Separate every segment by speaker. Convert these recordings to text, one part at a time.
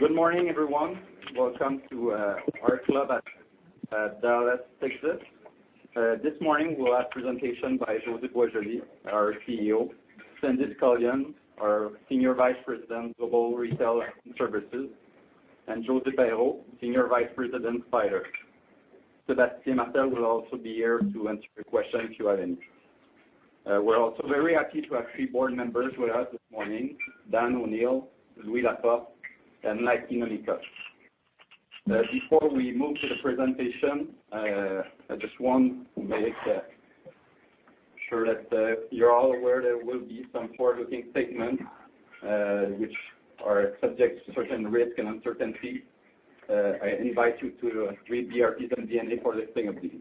Speaker 1: Good morning, everyone. Welcome to our club at Dallas, Texas. This morning we will have presentation by José Boisjoli, our CEO, Sandy Scullion, our Senior Vice President, Global Retail and Services, and Josée Perreault, Senior Vice President, Spyder. Sébastien Martel will also be here to answer your question if you have any. We are also very happy to have three board members with us this morning, Dan O'Neill, Louis Laporte, and Mike Hnatyshyn. Before we move to the presentation, I just want to make sure that you are all aware there will be some forward-looking statements, which are subject to certain risk and uncertainty. I invite you to read BRP's MD&A for listing of these.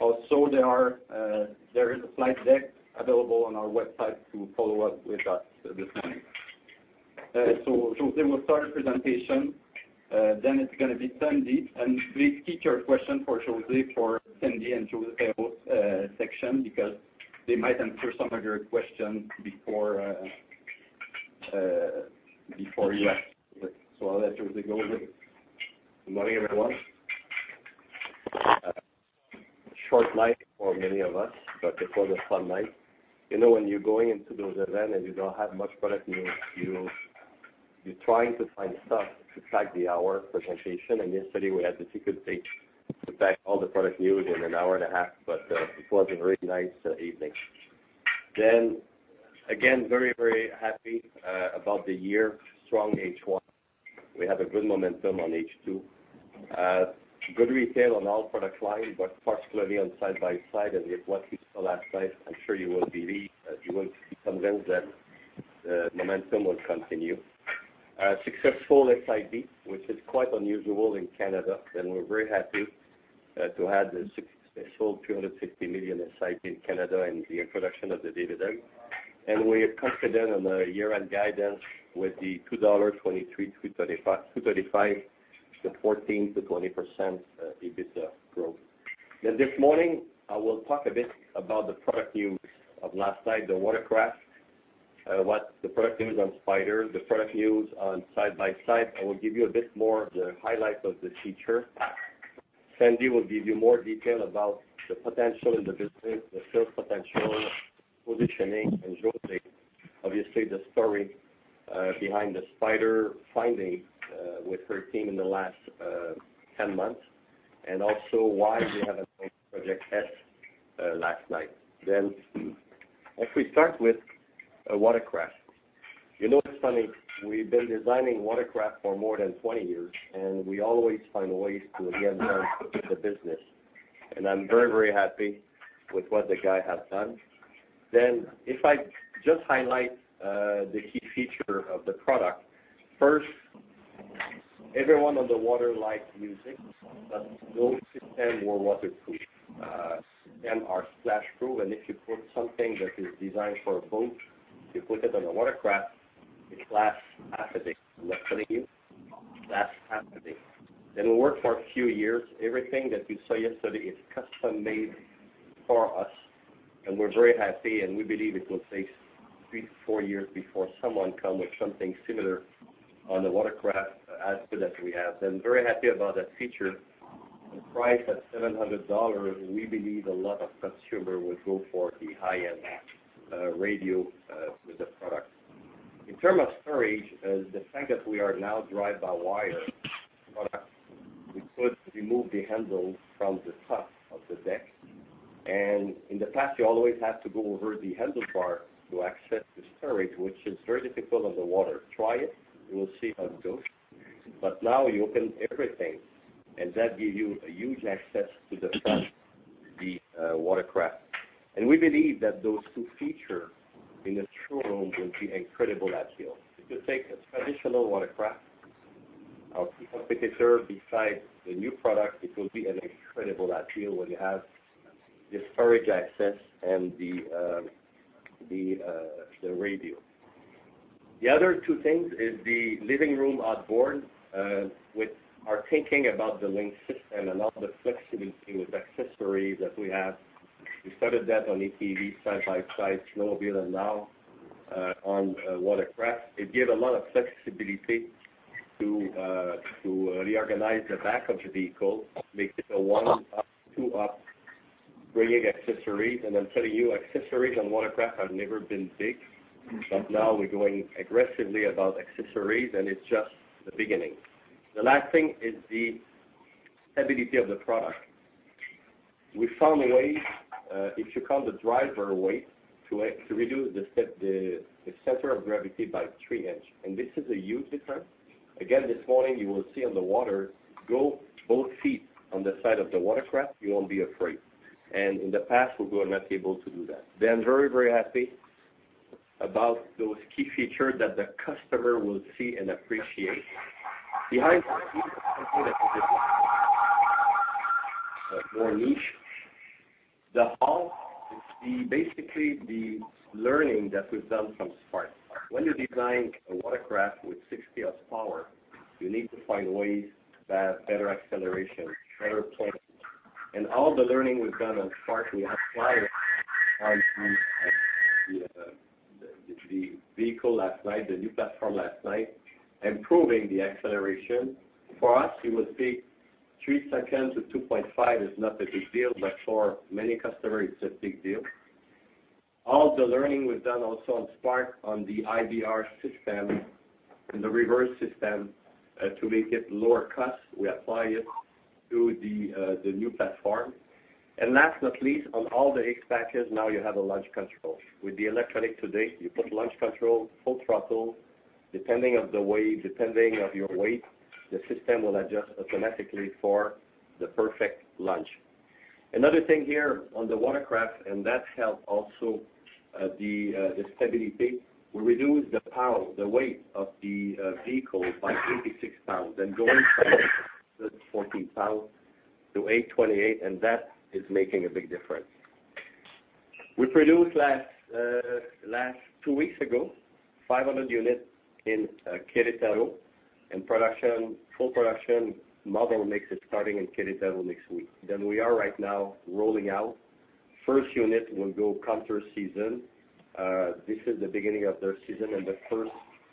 Speaker 1: Also, there is a slide deck available on our website to follow up with that this morning. José will start the presentation, then it is going to be Sandy. Please keep your question for José for Sandy and Josée Perreault section, because they might answer some of your questions before you ask. I will let José go ahead.
Speaker 2: Good morning, everyone. Short night for many of us, but it was a fun night. When you are going into those event and you do not have much product news, you are trying to find stuff to track the hour presentation, and yesterday we had the secret date, in fact, all the product news in an hour and a half, but, it was a very nice evening. Again, very happy about the year, strong H1. We have a good momentum on H2. Good retail on all product lines, but particularly on Side-by-Sides and what we saw last night, I am sure you will believe, you will see sometimes that the momentum will continue. A successful SIB, which is quite unusual in Canada, and we are very happy to have the successful 350 million SIB in Canada and the introduction of the dividend. This morning, I will talk a bit about the product news of last night, the watercraft, what the product news on Spyder, the product news on Side-by-Side. I will give you a bit more of the highlights of the feature. Sandy will give you more detail about the potential in the business, the sales potential, positioning, and Josée, obviously the story behind the Spyder finding with her team in the last 10 months, and also why we have not named Project S last night. If we start with watercraft. You know, it is funny, we have been designing watercraft for more than 20 years, and we always find ways to again change the business. I am very happy with what the guy has done. If I just highlight the key feature of the product, first, everyone on the water likes music, but no system were waterproof. Some are splash proof, and if you put something that is designed for a boat, if you put it on a watercraft, it lasts half a day. I'm not kidding you. Lasts half a day. It will work for a few years. Everything that you saw yesterday is custom-made for us, and we're very happy, and we believe it will take three to four years before someone come with something similar on the watercraft as good as we have. I'm very happy about that feature. Priced at 700 dollars, we believe a lot of consumer will go for the high-end radio with the product. In term of storage, the fact that we are now drive-by-wire product, we could remove the handle from the top of the deck. In the past, you always have to go over the handlebar to access the storage, which is very difficult on the water. Try it. You will see how it goes. Now you open everything, and that give you a huge access to the front of the watercraft. We believe that those two feature in a showroom will be incredible appeal. If you take a traditional watercraft of a competitor beside the new product, it will be an incredible appeal when you have the storage access and the radio. The other two things is the living room outboard, with our thinking about the LinQ system and all the flexibility with accessories that we have. We started that on ATV, Side-by-Side, snowmobile, and now, on watercraft. It give a lot of flexibility to reorganize the back of the vehicle, make it a one-up, two-up, bringing accessories. I'm telling you, accessories on watercraft have never been big, but now we're going aggressively about accessories, and it's just the beginning. The last thing is the stability of the product. We found a way, if you count the driver weight, to reduce the center of gravity by three inch, and this is a huge difference. Again, this morning, you will see on the water, go both feet on the side of the watercraft, you won't be afraid. In the past, we were not able to do that. Very happy about those key feature that the customer will see and appreciate. Behind the scenes, something that is a bit more niche. The hull is basically the learning that we've done from Spark. When you're designing a watercraft with 60 horsepower, you need to find ways to have better acceleration, better planning. All the learning we've done on Spark, we have Spyder the vehicle last night, the new platform last night, improving the acceleration. For us, it would be three seconds to 2.5 is not a big deal, but for many customers, it's a big deal. All the learning was done also on Spark on the iBR system and the reverse system to make it lower cost. We apply it to the new platform. Last but not least, on all the X packages, now you have a launch control. With the electronic today, you put launch control, full throttle, depending on the weight, depending on your weight, the system will adjust automatically for the perfect launch. Another thing here on the Watercraft, that helps also the stability, we reduced the weight of the vehicle by 86 pounds going from 1914 pounds to 828, that is making a big difference. We produced two weeks ago, 500 units in Querétaro, full production model mix is starting in Querétaro next week. We are right now rolling out. First unit will go counter season. This is the beginning of their season, the first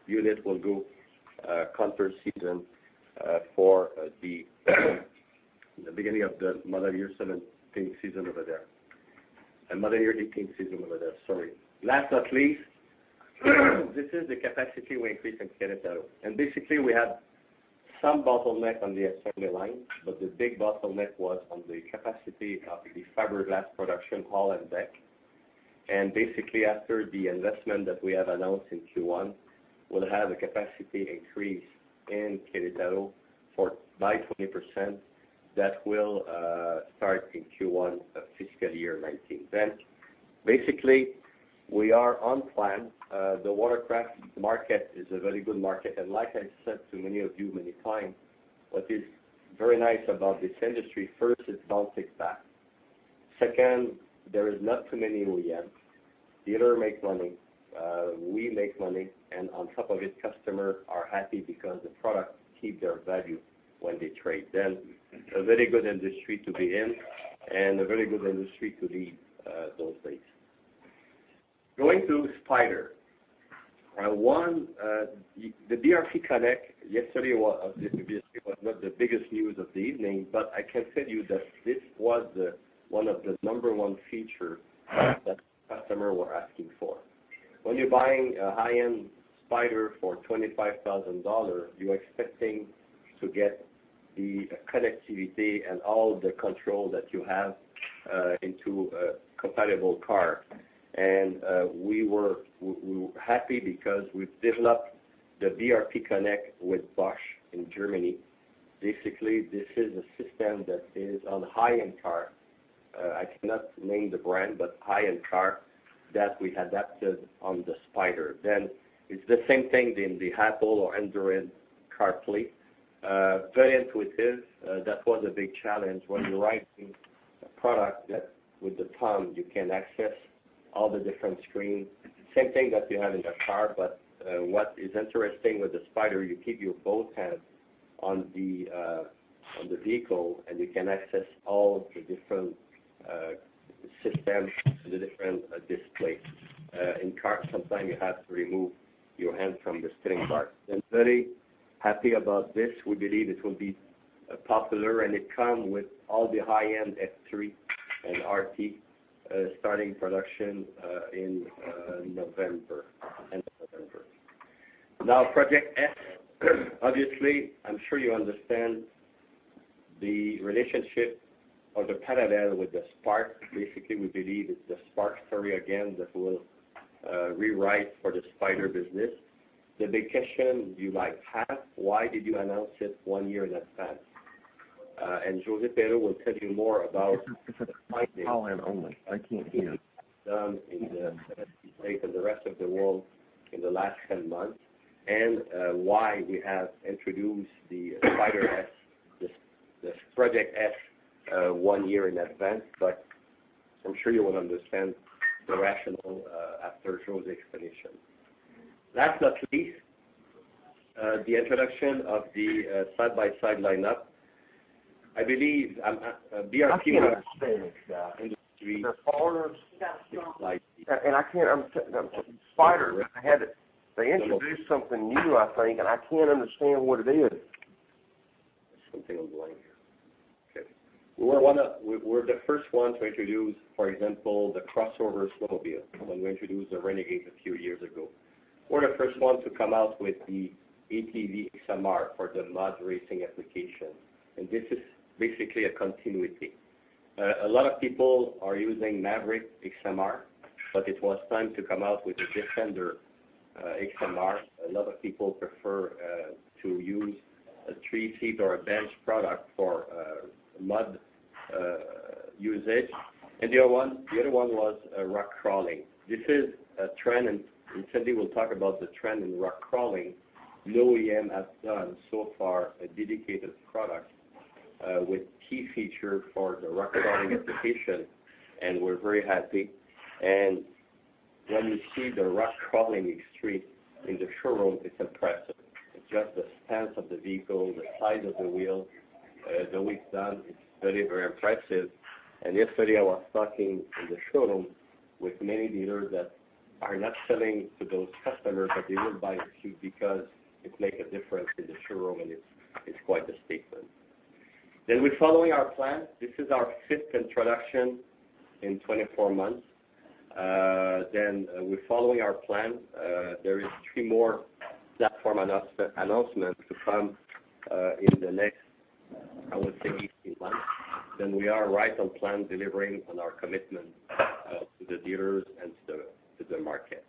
Speaker 2: unit will go counter season for the beginning of the Model Year 17 season over there. Model Year 18 season over there, sorry. Last but not least, this is the capacity we increased in Querétaro. Basically, we had some bottleneck on the assembly line, the big bottleneck was on the capacity of the fiberglass production hull and deck. Basically, after the investment that we have announced in Q1, we'll have a capacity increase in Querétaro by 20%. That will start in Q1, fiscal year 2019. Basically, we are on plan. The Watercraft market is a very good market. Like I said to many of you many times, what is very nice about this industry, first, it's non-takback. Second, there is not too many OEMs. Dealer make money, we make money, on top of it, customer are happy because the product keep their value when they trade. A very good industry to be in a very good industry to lead those things. Going to Spyder. The BRP Connect, yesterday, obviously, was not the biggest news of the evening, but I can tell you that this was one of the number one feature that customer were asking for. When you're buying a high-end Spyder for 25,000 dollars, you're expecting to get the connectivity all the control that you have into a compatible car. We were happy because we've developed the BRP Connect with Bosch in Germany. Basically, this is a system that is on high-end car. I cannot name the brand, but high-end car that we adapted on the Spyder. It's the same thing in the Apple CarPlay or Android Auto. Very intuitive. That was a big challenge when you're riding a product that with the thumb, you can access all the different screen. Same thing that you have in the car, but what is interesting with the Spyder, you keep your both hands on the vehicle, you can access all the different systems and the different displays. In car, sometimes you have to remove your hands from the steering part. Very happy about this. We believe it will be popular, it come with all the high-end F3 and RT starting production in November. Now, Project S. Obviously, I'm sure you understand the relationship or the parallel with the Spark. Basically, we believe it's the Spark story again that will rewrite for the Spyder business. The big question you might have, why did you announce it one year in advance? Josée Perreault will tell you more about.
Speaker 3: It's at a call-in only. I can't hear
Speaker 2: done in the U.S. and the rest of the world in the last 10 months, why we have introduced the Spyder S, this Project S one year in advance. I'm sure you will understand the rationale after José explanation. Last but least, the introduction of the Side-by-Side lineup. I believe BRP-
Speaker 3: I can't understand this guy.
Speaker 2: Industry-
Speaker 3: There's orders-
Speaker 4: Yes.
Speaker 3: Can-Am Spyder, they introduced something new, I think, I can't understand what it is.
Speaker 2: Something on the line here. We're the first one to introduce, for example, the crossover slow vehicle when we introduced the Renegade a few years ago. We're the first one to come out with the ATV X mr for the mud racing application. This is basically a continuity. A lot of people are using Maverick X mr, but it was time to come out with a Defender X mr. A lot of people prefer to use a three-seat or a bench product for mud usage. The other one was rock crawling. This is a trend, Sandy will talk about the trend in rock crawling. No OEM has done so far a dedicated product with key feature for the rock crawling application, and we're very happy. When you see the rock crawling the street in the showroom, it's impressive. It's just the stance of the vehicle, the size of the wheel, the width done, it's very impressive. Yesterday, I was talking in the showroom with many dealers that are not selling to those customers, but they will buy the Q because it makes a difference in the showroom, and it's quite a statement. We're following our plan. This is our fifth introduction in 24 months. We're following our plan. There is three more platform announcements to come in the next, I would say, 18 months. We are right on plan delivering on our commitment to the dealers and to the market.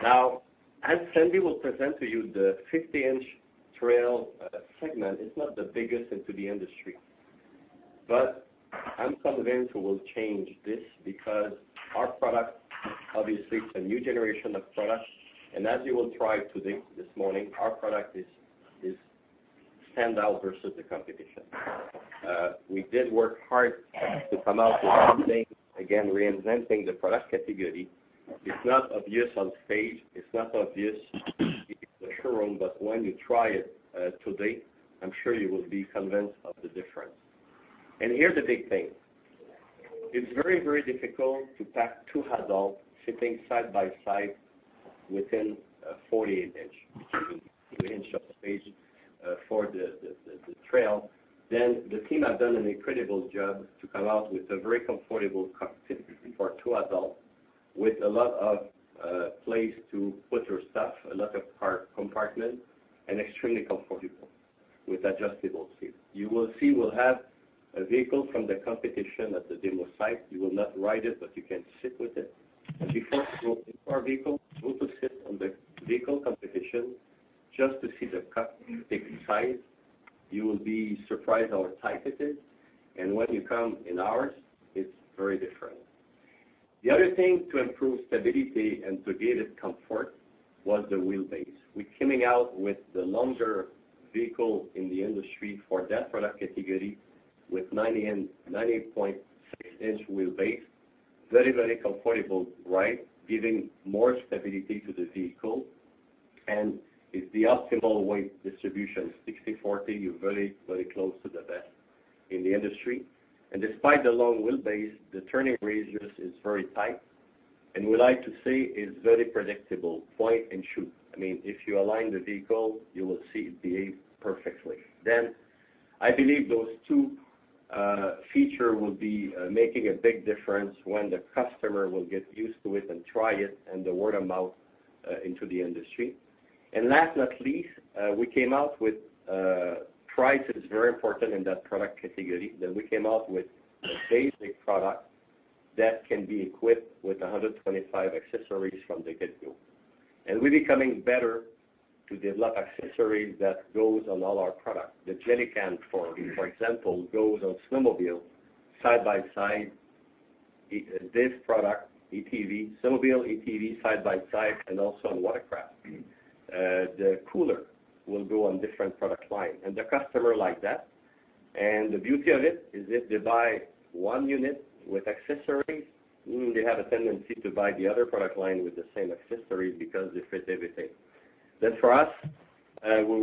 Speaker 2: As Sandy will present to you, the 50-inch trail segment is not the biggest into the industry. I'm convinced we will change this, because our product, obviously, it's a new generation of product. As you will try this morning, our product stands out versus the competition. We did work hard to come out with something, again, reinventing the product category. It's not obvious on page, it's not obvious in the showroom, but when you try it today, I'm sure you will be convinced of the difference. Here's the big thing. It's very difficult to pack two adults sitting side by side within a 48-inch, 50-inch of space for the trail. The team has done an incredible job to come out with a very comfortable capacity for two adults with a lot of place to put your stuff, a lot of compartment, and extremely comfortable with adjustable seat. You will see we'll have a vehicle from the competition at the demo site. You will not ride it, but you can sit with it. Before you go into our vehicle, go to sit on the vehicle competition just to see the big size. You will be surprised how tight it is. When you come in ours, it's very different. The other thing to improve stability and to give it comfort was the wheelbase. We're coming out with the longer vehicle in the industry for that product category with 90.6-inch wheelbase. Very comfortable ride, giving more stability to the vehicle. It's the optimal weight distribution, 60/40, you're very close to the best in the industry. Despite the long wheelbase, the turning radius is very tight. We like to say it's very predictable, point and shoot. If you align the vehicle, you will see it behave perfectly. I believe those two features will be making a big difference when the customer will get used to it and try it, and the word of mouth into the industry. Last not least, we came out with price is very important in that product category. We came out with a basic product that can be equipped with 125 accessories from the get go. We're becoming better to develop accessories that goes on all our product. The jelly can, for example, goes on Ski-Doo, Side-by-Side, this product, ATV, Ski-Doo, ATV, Side-by-Side, and also on watercraft. The cooler will go on different product line, and the customer like that. The beauty of it is if they buy one unit with accessories, they have a tendency to buy the other product line with the same accessories because it fits everything. For us, we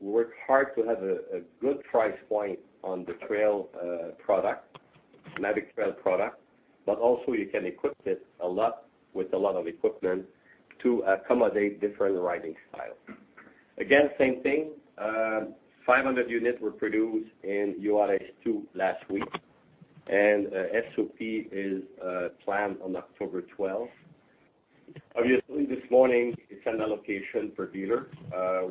Speaker 2: work hard to have a good price point on the Maverick Trail product, but also you can equip it with a lot of equipment to accommodate different riding styles. Again, same thing, 500 units were produced in URS2 last week. SOP is planned on October 12th. Obviously, this morning it's an allocation per dealer.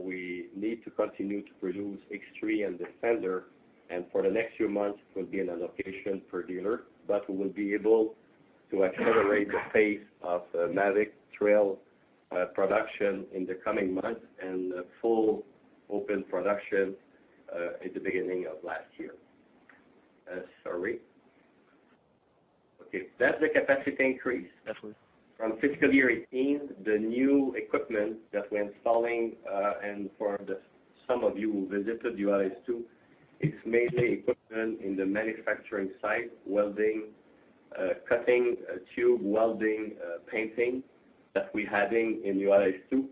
Speaker 2: We need to continue to produce X3 and Defender, and for the next few months, it will be an allocation per dealer. We will be able to accelerate the pace of Maverick Trail production in the coming months and full open production at the beginning of last year. Sorry. Okay. That's the capacity increase.
Speaker 5: Absolutely.
Speaker 2: From fiscal year 2018, the new equipment that we're installing, for some of you who visited URS2, it's mainly equipment in the manufacturing site, welding, cutting tube welding, painting that we're having in URS2.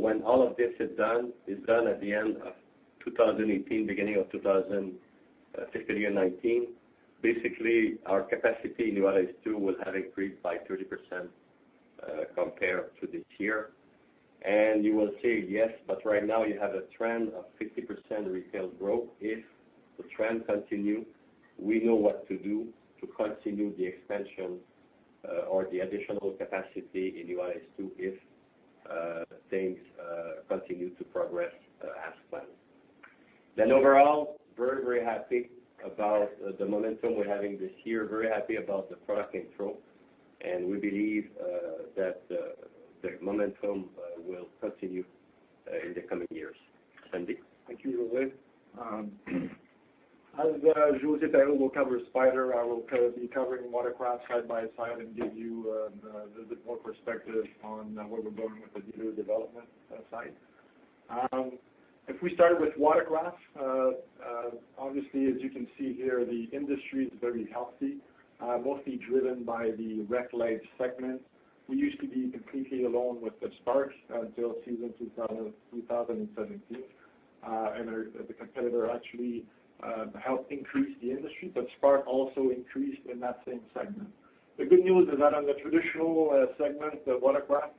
Speaker 2: When all of this is done at the end of 2018, beginning of fiscal year 2019, basically our capacity in URS2 will have increased by 30% compared to this year. You will say, "Yes, but right now you have a trend of 50% retail growth." If the trend continue, we know what to do to continue the expansion or the additional capacity in URS2 if things continue to progress as planned. Overall, very happy about the momentum we're having this year. Very happy about the product intro. We believe that the momentum will continue in the coming years. Sandy.
Speaker 5: Thank you, José. As Josée Perreault will cover Spyder, I will be covering Watercraft Side-by-Side and give you a little bit more perspective on where we're going with the dealer development side. If we start with Watercraft, obviously as you can see here, the industry is very healthy, mostly driven by the Rec Lite segment. We used to be completely alone with the Sparks until season 2017, and the competitor actually helped increase the industry, but Spark also increased in that same segment. The good news is that on the traditional segment, the Watercraft,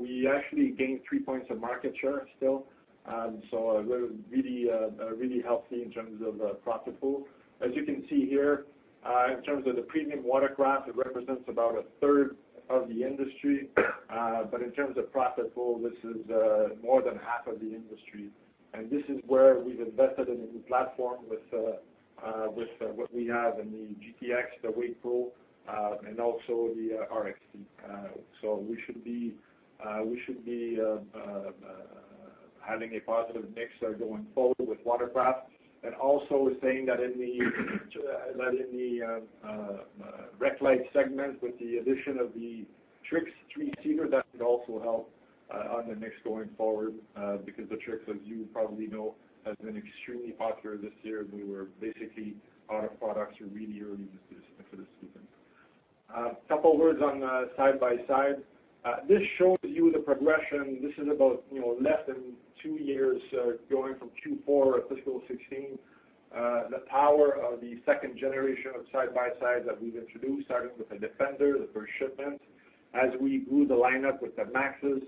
Speaker 5: we actually gained three points of market share still. Really healthy in terms of profit pool. As you can see here, in terms of the premium Watercraft, it represents about a third of the industry. In terms of profit pool, this is more than half of the industry, and this is where we've invested in a new platform with what we have in the GTX, the Wake Pro, and also the RXP. We should be having a positive mix there going forward with Watercraft. Also saying that in the Rec Lite segment, with the addition of the Spark Trixx three-seater, that will also help on the mix going forward because the Spark Trixx, as you probably know, has been extremely popular this year. We were basically out of products really early into the season. A couple of words on Side-by-Sides. This shows you the progression. This is about less than two years, going from Q4 of fiscal 2016, the power of the second generation of Side-by-Sides that we've introduced, starting with the Defender, the first shipment, as we grew the lineup with the MAXs.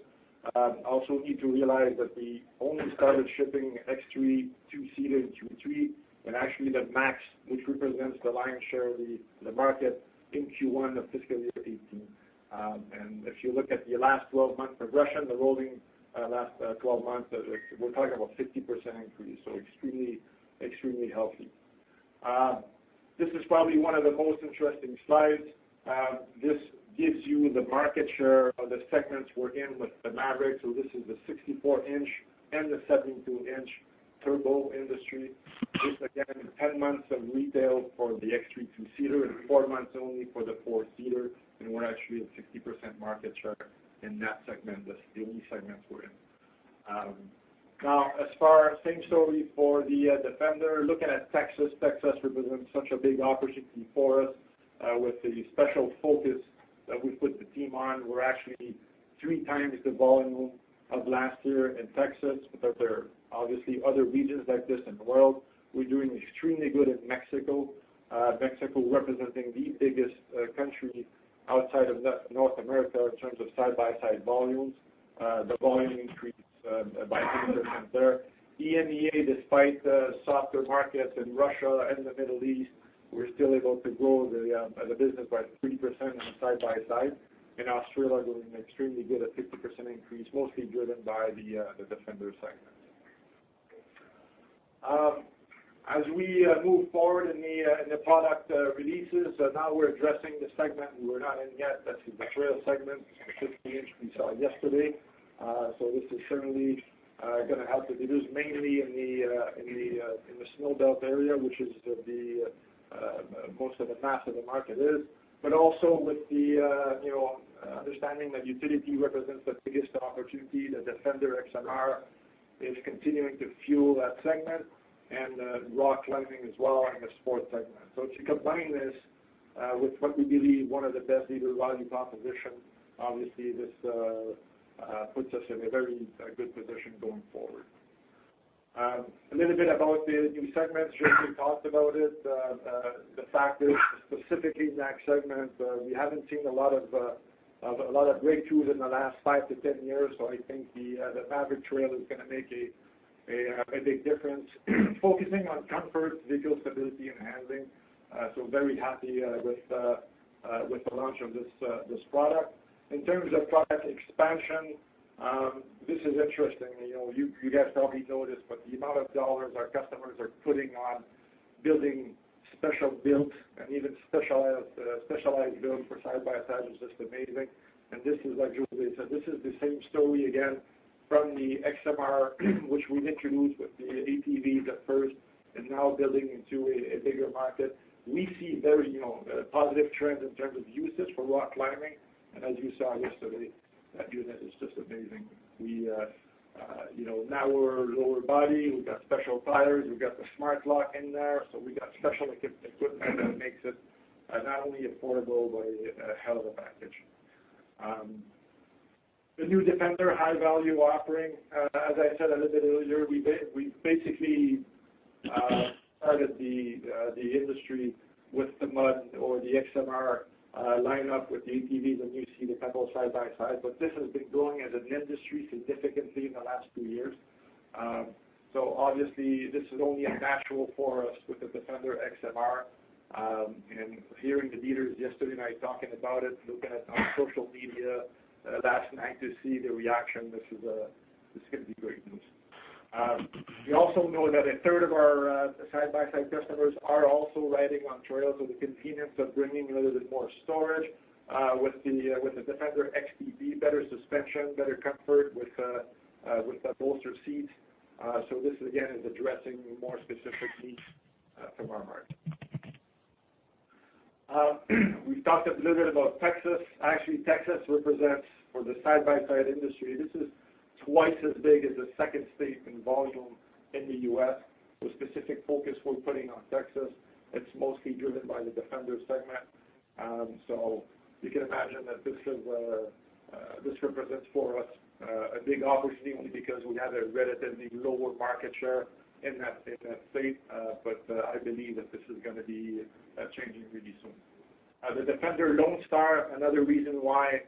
Speaker 5: Also need to realize that we only started shipping X3 two-seater in Q3, and actually the MAX, which represents the lion's share of the market, in Q1 of fiscal year 2018. If you look at the last 12 months progression, the rolling last 12 months, we're talking about a 50% increase, extremely healthy. This is probably one of the most interesting slides. This gives you the market share of the segments we're in with the Maverick. This is the 64-inch and the 72-inch turbo industry. This, again, is 10 months of retail for the X3 two-seater and 4 months only for the 4-seater, and we're actually at 60% market share in that segment, the only segment we're in. Same story for the Defender. Looking at Texas represents such a big opportunity for us with the special focus that we put the team on. We're actually three times the volume of last year in Texas, there are obviously other regions like this in the world. We're doing extremely good in Mexico. Mexico representing the biggest country outside of North America in terms of Side-by-Side volumes. The volume increased by 100% there. EMEA, despite softer markets in Russia and the Middle East, we're still able to grow the business by 30% in Side-by-Side. In Australia, doing extremely good, a 50% increase, mostly driven by the Defender segment. We move forward in the product releases, now we're addressing the segment we were not in yet, that's the trail segment, the 50-inch we saw yesterday. This is certainly going to help the business mainly in the snowbelt area, which is where most of the mass of the market is. Also with the understanding that utility represents the biggest opportunity, the Defender X mr is continuing to fuel that segment, and rock climbing as well in the sports segment. To combine this with what we believe one of the best value propositions, obviously this puts us in a very good position going forward. A little bit about the new segments. José talked about it. The fact is, specifically in that segment, we haven't seen a lot of breakthroughs in the last 5 to 10 years. I think the Maverick Trail is going to make a big difference, focusing on comfort, vehicle stability, and handling. Very happy with the launch of this product. In terms of product expansion, this is interesting. You guys probably know this, but the amount of dollars our customers are putting on building special builds and even specialized builds for Side-by-Sides is just amazing. This is, like José said, this is the same story again from the X mr, which we introduced with the ATVs at first and now building into a bigger market. We see very positive trends in terms of usage for rock climbing, and as you saw yesterday, that unit is just amazing. Now we're lower body, we've got special tires, we've got the Smart-Lok in there, we got special equipment that makes it not only affordable, but a hell of a package. The new Defender high-value offering, as I said a little bit earlier, we basically started the industry with the mud or the X mr lineup with the ATVs, and you see the Side-by-Side. This has been growing as an industry significantly in the last few years. Obviously this is only natural for us with the Defender X mr, hearing the dealers yesterday night talking about it, looking at social media last night to see the reaction, this is going to be great news. We also know that a third of our Side-by-Side customers are also riding on trails, the convenience of bringing a little bit more storage with the Defender XT, better suspension, better comfort with the bolster seats. This again is addressing more specific needs from our market. We've talked a little bit about Texas. Actually, Texas represents, for the Side-by-Side industry, this is twice as big as the second state in volume in the U.S. The specific focus we're putting on Texas, it's mostly driven by the Defender segment. You can imagine that this represents for us a big opportunity because we have a relatively lower market share in that state. I believe that this is going to be changing really soon. The Defender Lone Star, another reason why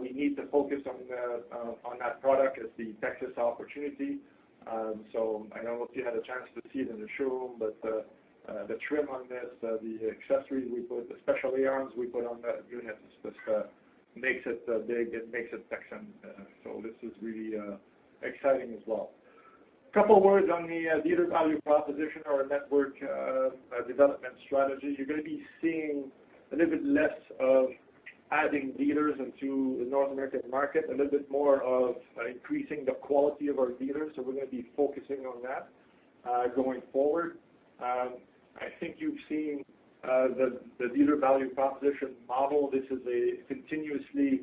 Speaker 5: we need to focus on that product is the Texas opportunity. I don't know if you had a chance to see it in the showroom, but the trim on this, the accessories we put, the special A-arms we put on that unit, just makes it big and makes it Texan. This is really exciting as well. Couple words on the dealer value proposition, our network development strategy. You're going to be seeing a little bit less of adding dealers into the North American market, a little bit more of increasing the quality of our dealers. We're going to be focusing on that going forward. I think you've seen the dealer value proposition model. This is a continuously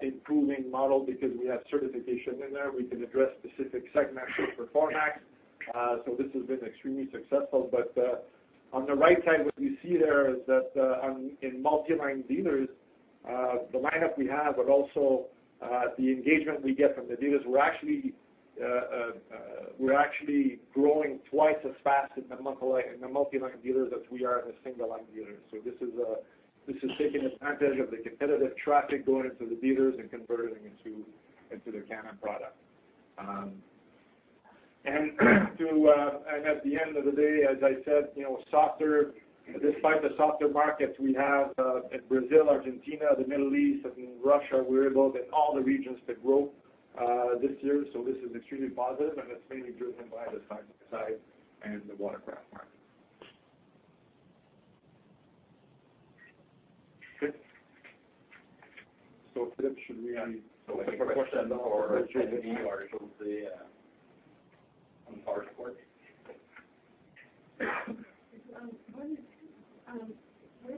Speaker 5: improving model because we have certification in there. We can address specific segment shift performance. This has been extremely successful. On the right side, what you see there is that in multi-line dealers, the lineup we have, but also the engagement we get from the dealers, we're actually growing twice as fast in the multi-line dealers as we are in the single-line dealers. This is taking advantage of the competitive traffic going into the dealers and converting into the Can-Am product. At the end of the day, as I said, despite the softer markets we have in Brazil, Argentina, the Middle East, and in Russia, we're both in all the regions that grow this year. This is extremely positive, and it's mainly driven by the side-by-side and the watercraft market. Okay. Should we answer any questions or-
Speaker 6: Questions or should we on PowerPoint?
Speaker 4: Where do you price the MSRP aiming for the trail product to be? Is it below or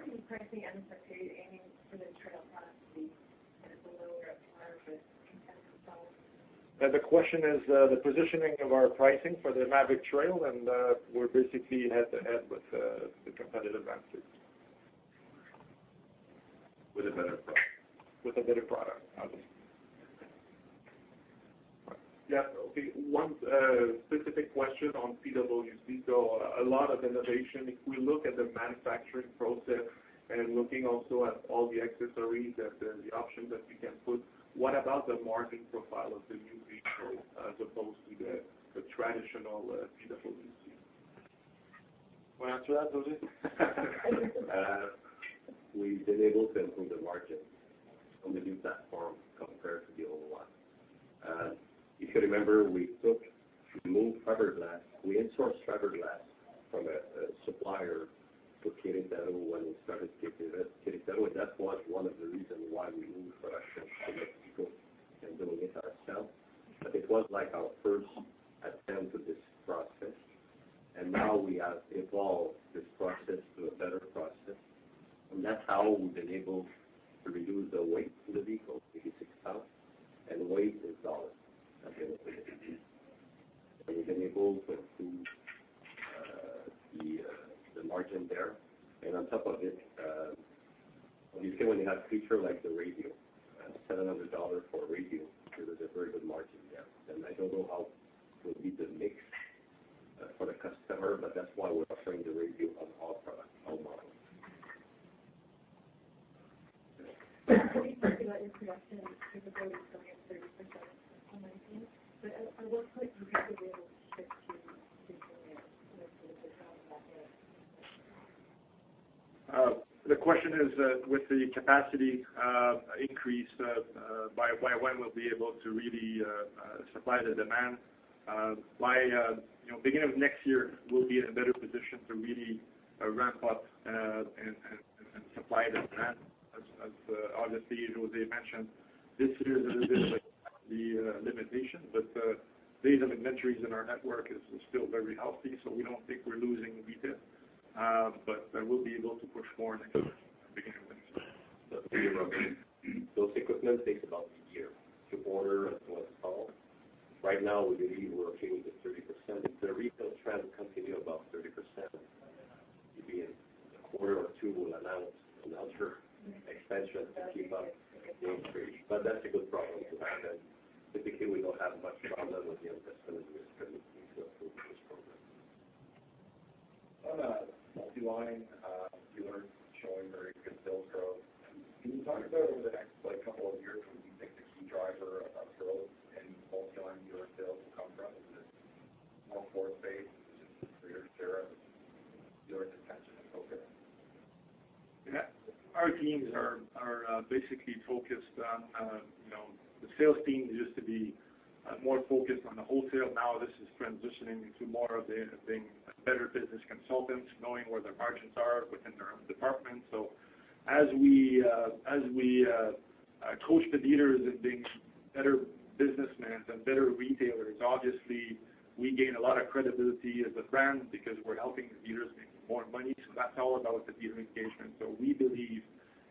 Speaker 4: at par with competitive products?
Speaker 5: The question is the positioning of our pricing for the Maverick Trail, and we're basically head-to-head with the competitive answers.
Speaker 6: With a better product.
Speaker 5: With a better product, obviously.
Speaker 6: Yeah. Okay, one specific question on PWC. A lot of innovation. If we look at the manufacturing process and looking also at all the accessories that the option that we can put, what about the margin profile of the new vehicle as opposed to the traditional PWC?
Speaker 5: Want to answer that, José?
Speaker 2: We've been able to improve the margin on the new platform compared to the old one. If you remember, we removed fiberglass. We insourced fiberglass from a supplier for Querétaro when we started Querétaro. That was one of the reasons why we moved production to Mexico and doing it ourselves. It was like our first attempt at this process, and now we have evolved this process to a better process, and that's how we've been able to reduce the weight of the vehicle, 86 pounds, and weight is dollars. We've been able to improve the margin there. On top of it, when you have feature like the radio, 700 dollars for a radio, there is a very good margin there. I don't know how we'll beat the mix for the customer, that's why we're offering the radio on all products, all models.
Speaker 4: You talked about your production capability going up 30% in 2019, at what point will you be able to ship to demand that is-
Speaker 5: The question is, with the capacity increase, by when we'll be able to really supply the demand. By beginning of next year, we'll be in a better position to really ramp up and supply the demand. Obviously José mentioned, this year there is a bit of a capacity limitation, the days of inventories in our network is still very healthy, we don't think we're losing retail. I will be able to push more next year, beginning of next year.
Speaker 6: Those equipment takes about a year to order and what all. Right now, we believe we're okay with the 30%. If the retail trend continues about 30%, maybe in a quarter or two, we'll announce an ultra expansion to keep up with the increase. That's a good problem to have, and typically, we don't have much problem with the investment. It's pretty easy to approve this program.
Speaker 3: On multi-line, you were showing very good sales growth. Can you talk about over the next couple of years, what do you think the key driver of growth in multi-line dealer sales will come from? Is it more floor space, is it greater share of dealer contention and focus?
Speaker 5: The sales team used to be more focused on the wholesale. Now this is transitioning into more of them being better business consultants, knowing where their margins are within their own department. As we coach the dealers in being better businessmen and better retailers, obviously, we gain a lot of credibility as a brand because we're helping the dealers make more money. That's all about the dealer engagement. We believe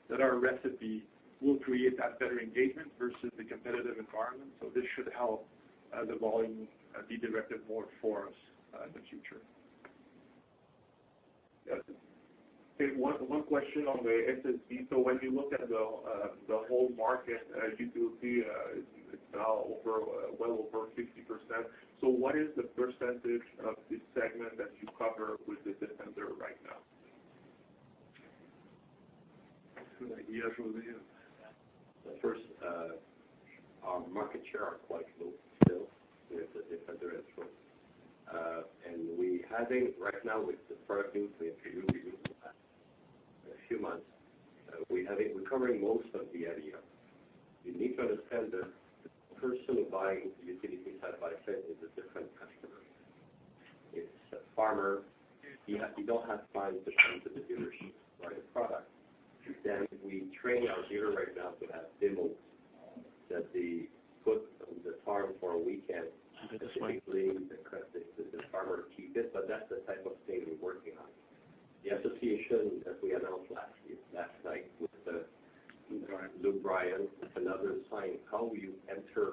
Speaker 5: that our recipe will create that better engagement versus the competitive environment. This should help the volume be directed more for us in the future.
Speaker 2: Yes.
Speaker 6: One question on the SSV. When you look at the whole market, as you do see it's now well over 50%. What is the percentage of the segment that you cover with the Defender right now?
Speaker 5: Good idea, José.
Speaker 2: First, our market share are quite low still with the Defender intro. We having right now with the product newly introduced a few months, we're covering most of the area. You need to understand that the person buying utility Side-by-Side is a different customer. It's a farmer. You don't have time to come to the dealership to buy the product. We train our dealer right now to have demos that they put on the farm for a weekend, a week, let the farmer keep it, that's the type of thing we're working on. The association that we announced last night with
Speaker 5: Luke Bryan
Speaker 2: Luke Bryan is another sign how we enter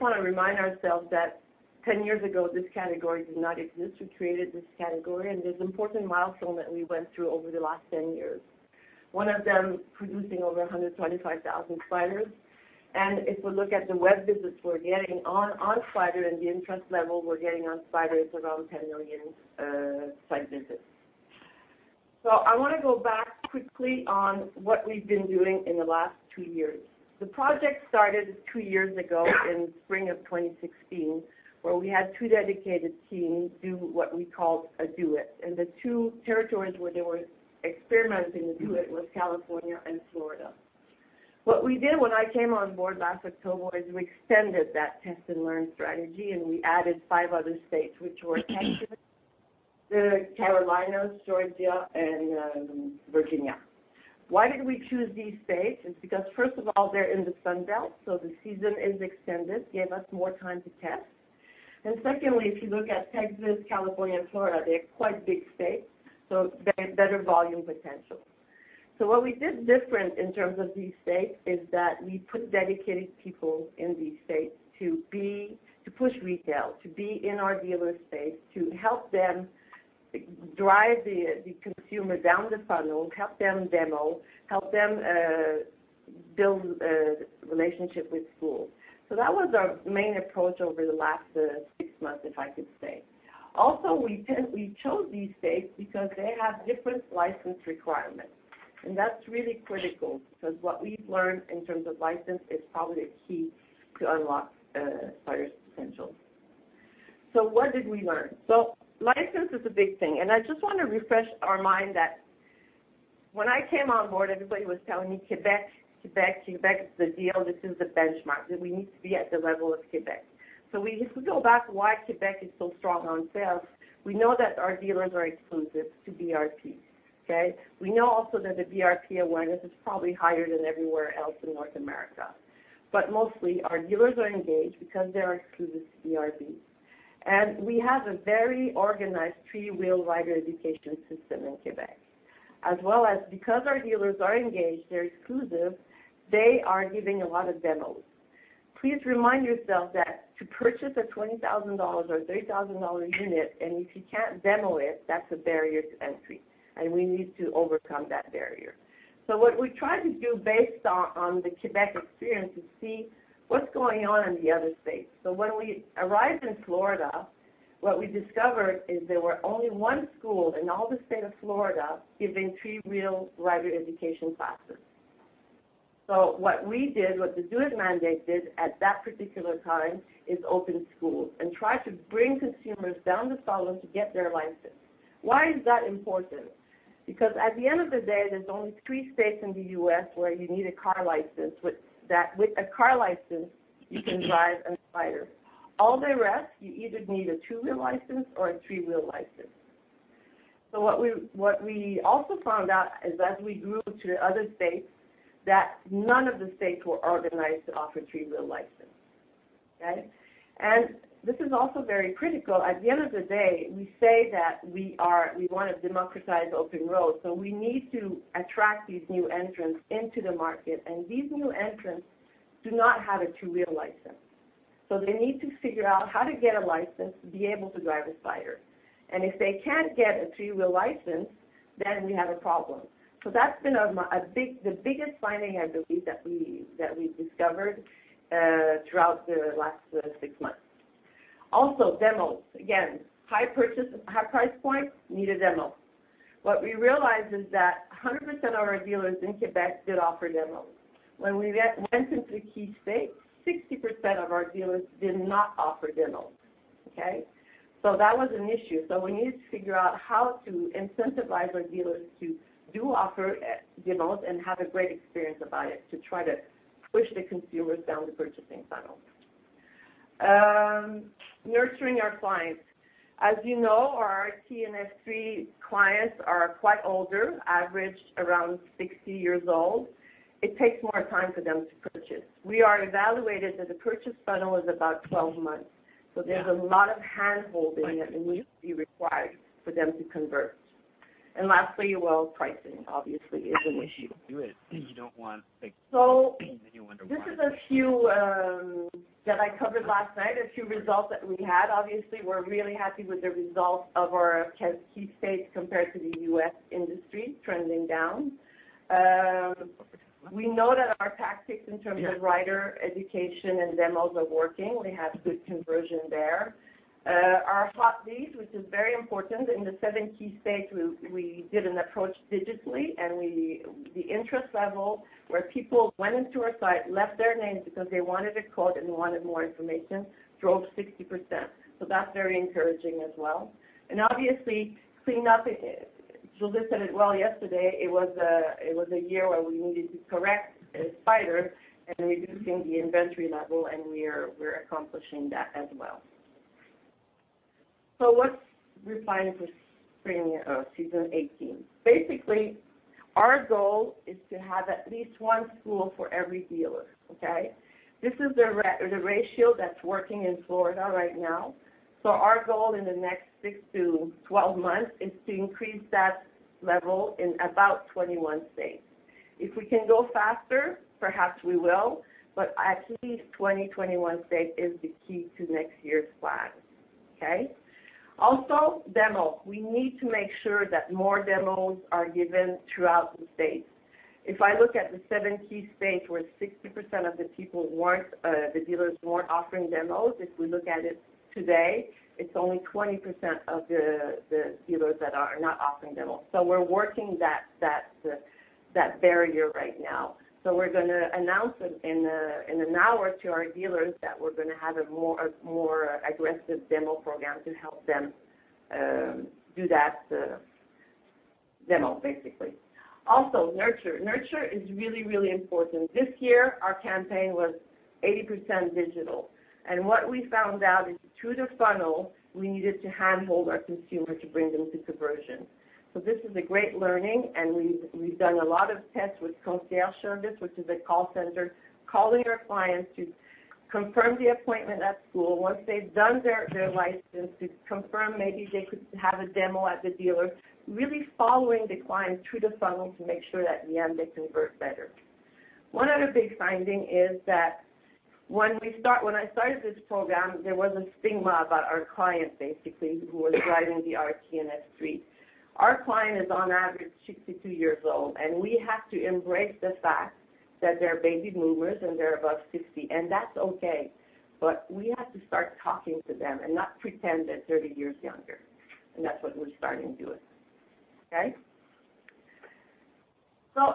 Speaker 7: want to remind ourselves that 10 years ago, this category did not exist. We created this category. There's important milestone that we went through over the last 10 years. One of them producing over 125,000 Spyders. If we look at the web visits we're getting on Spyder and the interest level we're getting on Spyder, it's around 10 million site visits. I want to go back quickly on what we've been doing in the last two years. The project started two years ago in spring of 2016, where we had two dedicated teams do what we called a Do It. The two territories where they were experimenting the Do It was California and Florida. What we did when I came on board last October is we extended that test and learn strategy, and we added five other states, which were Texas, the Carolinas, Georgia, and Virginia. Why did we choose these states? It's because, first of all, they're in the Sun Belt, the season is extended, gave us more time to test. Secondly, if you look at Texas, California, and Florida, they're quite big states, better volume potential. What we did different in terms of these states is that we put dedicated people in these states to push retail, to be in our dealer space, to help them drive the consumer down the funnel, help them demo, help them build a relationship with schools. That was our main approach over the last six months, if I could say. Also, we chose these states because they have different license requirements, and that's really critical because what we've learned in terms of license is probably the key to unlock Spyder's potential. What did we learn? License is a big thing, and I just want to refresh our mind that when I came on board, everybody was telling me, "Quebec, Quebec is the deal. This is the benchmark. That we need to be at the level of Quebec." If we go back to why Quebec is so strong on sales, we know that our dealers are exclusive to BRP. Okay? We know also that the BRP awareness is probably higher than everywhere else in North America. Mostly our dealers are engaged because they're exclusive to BRP. We have a very organized three-wheel rider education system in Quebec. As well as because our dealers are engaged, they're exclusive, they are giving a lot of demos. Please remind yourself that to purchase a 20,000 dollars or 30,000 dollar unit, and if you can't demo it, that's a barrier to entry, and we need to overcome that barrier. What we tried to do based on the Quebec experience is see what's going on in the other states. When we arrived in Florida, what we discovered is there were only one school in all the state of Florida giving three-wheel rider education classes. What we did, what the dealers' mandate did at that particular time is open schools and try to bring consumers down the funnel to get their license. Why is that important? Because at the end of the day, there's only three states in the U.S. where you need a car license, with that car license, you can drive a Spyder. All the rest, you either need a two-wheel license or a three-wheel license. What we also found out is as we grew to the other states, that none of the states were organized to offer three-wheel license. Okay? This is also very critical. At the end of the day, we say that we want to democratize open road, we need to attract these new entrants into the market, and these new entrants do not have a two-wheel license. They need to figure out how to get a license to be able to drive a Spyder. If they can't get a three-wheel license, then we have a problem. That's been the biggest finding, I believe, that we've discovered throughout the last six months. Also, demos. Again, high price point, need a demo. What we realized is that 100% of our dealers in Quebec did offer demos. When we went into key states, 60% of our dealers did not offer demos. Okay? That was an issue. We needed to figure out how to incentivize our dealers to do offer demos and have a great experience about it to try to push the consumers down the purchasing funnel. Nurturing our clients. As you know, our T and F3 clients are quite older, average around 60 years old. It takes more time for them to purchase. We are evaluated that the purchase funnel is about 12 months. There's a lot of hand-holding that will be required for them to convert. Lastly, well, pricing obviously is an issue.
Speaker 8: Do it, you don't want, like.
Speaker 7: So-
Speaker 8: You wonder why.
Speaker 7: This is a few that I covered last night, a few results that we had. Obviously, we're really happy with the results of our key states compared to the U.S. industry trending down. We know that our tactics in terms of rider education and demos are working. We have good conversion there. Our hot leads, which is very important. In the seven key states, we did an approach digitally, and the interest level, where people went into our site, left their names because they wanted a quote and wanted more information, drove 60%. That's very encouraging as well. Obviously, cleaning up, José said it well yesterday, it was a year where we needed to correct Spyder and reducing the inventory level, and we're accomplishing that as well. What's refined for spring, season 2018? Basically, our goal is to have at least one school for every dealer. Okay? This is the ratio that's working in Florida right now. Our goal in the next 6 to 12 months is to increase that level in about 21 states. If we can go faster, perhaps we will, but at least 20, 21 states is the key to next year's plan. Okay. Also, demo. We need to make sure that more demos are given throughout the states. If I look at the 7 key states where 60% of the dealers weren't offering demos, if we look at it today, it's only 20% of the dealers that are not offering demos. We're working that barrier right now. We're going to announce in an hour to our dealers that we're going to have a more aggressive demo program to help them do that demo, basically. Also, nurture. Nurture is really, really important. This year, our campaign was 80% digital, and what we found out is through the funnel, we needed to handhold our consumer to bring them to conversion. This is a great learning, and we've done a lot of tests with concierge service, which is a call center, calling our clients to confirm the appointment at school. Once they've done their license, to confirm maybe they could have a demo at the dealer. Really following the client through the funnel to make sure that in the end they convert better. One other big finding is that when I started this program, there was a stigma about our clients, basically, who were driving the RT and F3. Our client is on average 62 years old, and we have to embrace the fact that they're baby boomers and they're above 60, and that's okay. We have to start talking to them and not pretend they're 30 years younger. That's what we're starting to do. Okay.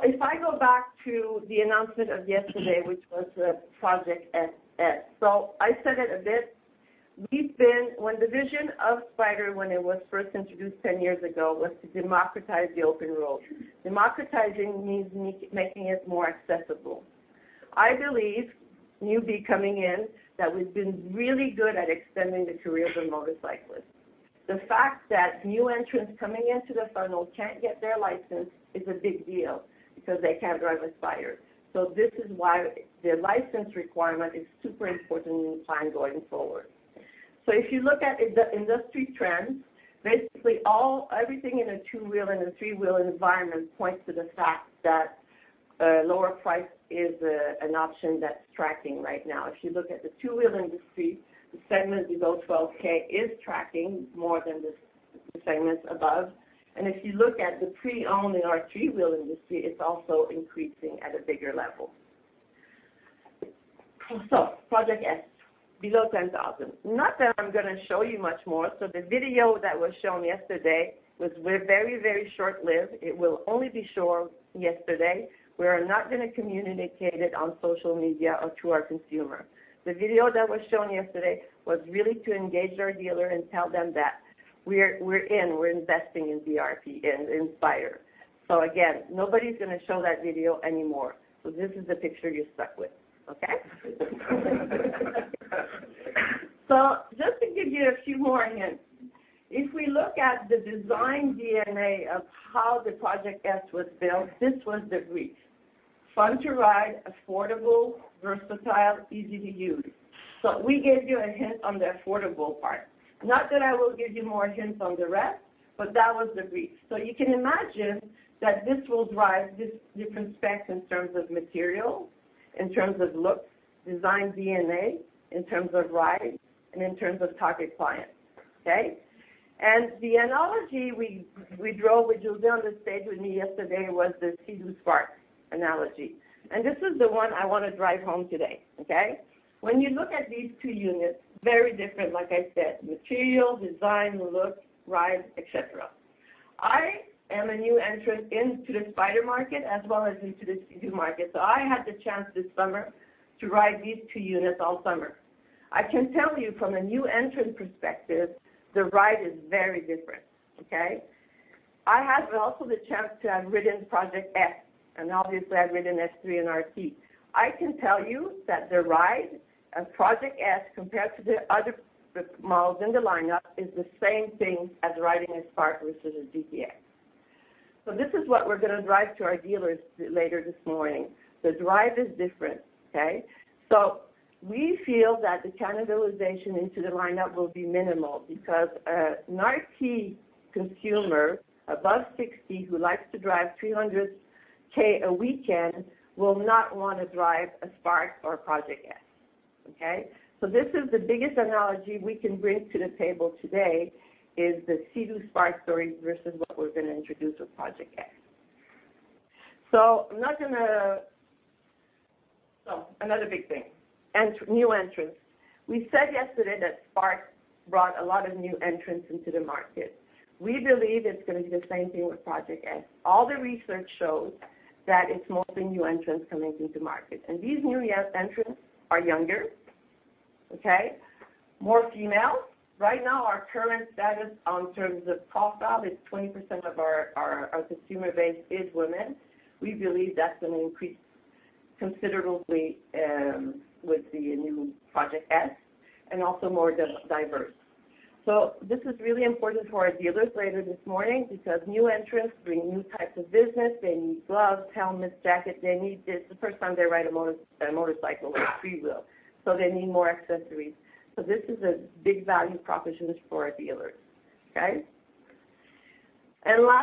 Speaker 7: If I go back to the announcement of yesterday, which was Project S. I said it a bit, when the vision of Spyder, when it was first introduced 10 years ago, was to democratize the open road. Democratizing means making it more accessible. I believe, newbie coming in, that we've been really good at extending the careers of motorcyclists. The fact that new entrants coming into the funnel can't get their license is a big deal because they can't drive a Spyder. This is why the license requirement is super important when you plan going forward. If you look at industry trends, basically everything in a two-wheel and a three-wheel environment points to the fact that a lower price is an option that's tracking right now. If you look at the two-wheel industry, the segment below 12,000 is tracking more than the segments above. If you look at the pre-owned in our three-wheel industry, it's also increasing at a bigger level. Project S, below 10,000. Not that I'm going to show you much more. The video that was shown yesterday was very short-lived. It will only be shown yesterday. We are not going to communicate it on social media or to our consumer. The video that was shown yesterday was really to engage our dealer and tell them that we're in, we're investing in BRP and in Spyder. Again, nobody's going to show that video anymore. This is the picture you're stuck with. Just to give you a few more hints. If we look at the design DNA of how the Project S was built, this was the brief. Fun to ride, affordable, versatile, easy to use. We gave you a hint on the affordable part. Not that I will give you more hints on the rest, but that was the brief. You can imagine that this will drive different specs in terms of material, in terms of looks, design DNA, in terms of ride, and in terms of target client. The analogy we drove with Jos on the stage with me yesterday was the Sea-Doo Spark analogy. This is the one I want to drive home today. When you look at these two units, very different, like I said, material, design, look, ride, et cetera. I am a new entrant into the Spyder market as well as into the Sea-Doo market. I had the chance this summer to ride these two units all summer. I can tell you from a new entrant perspective, the ride is very different. I had also the chance to have ridden Project S, and obviously, I've ridden F3 and RT. I can tell you that the ride of Project S compared to the other models in the lineup is the same thing as riding a Spark versus a GTX. This is what we're going to drive to our dealers later this morning. The drive is different. We feel that the cannibalization into the lineup will be minimal because an RT consumer above 60 who likes to drive 300,000 a weekend will not want to drive a Spark or a Project S. This is the biggest analogy we can bring to the table today, is the Sea-Doo Spark story versus what we're going to introduce with Project S. Another big thing, new entrants. We said yesterday that Spark brought a lot of new entrants into the market. We believe it's going to do the same thing with Project S. All the research shows that it's mostly new entrants coming into market. These new entrants are younger. More female. Right now, our current status in terms of profile is 20% of our consumer base is women. We believe that's going to increase considerably with the new Project S and also more diverse. This is really important for our dealers later this morning because new entrants bring new types of business. They need gloves, helmets, jackets. It's the first time they ride a motorcycle or a three-wheel. They need more accessories. This is a big value proposition for our dealers.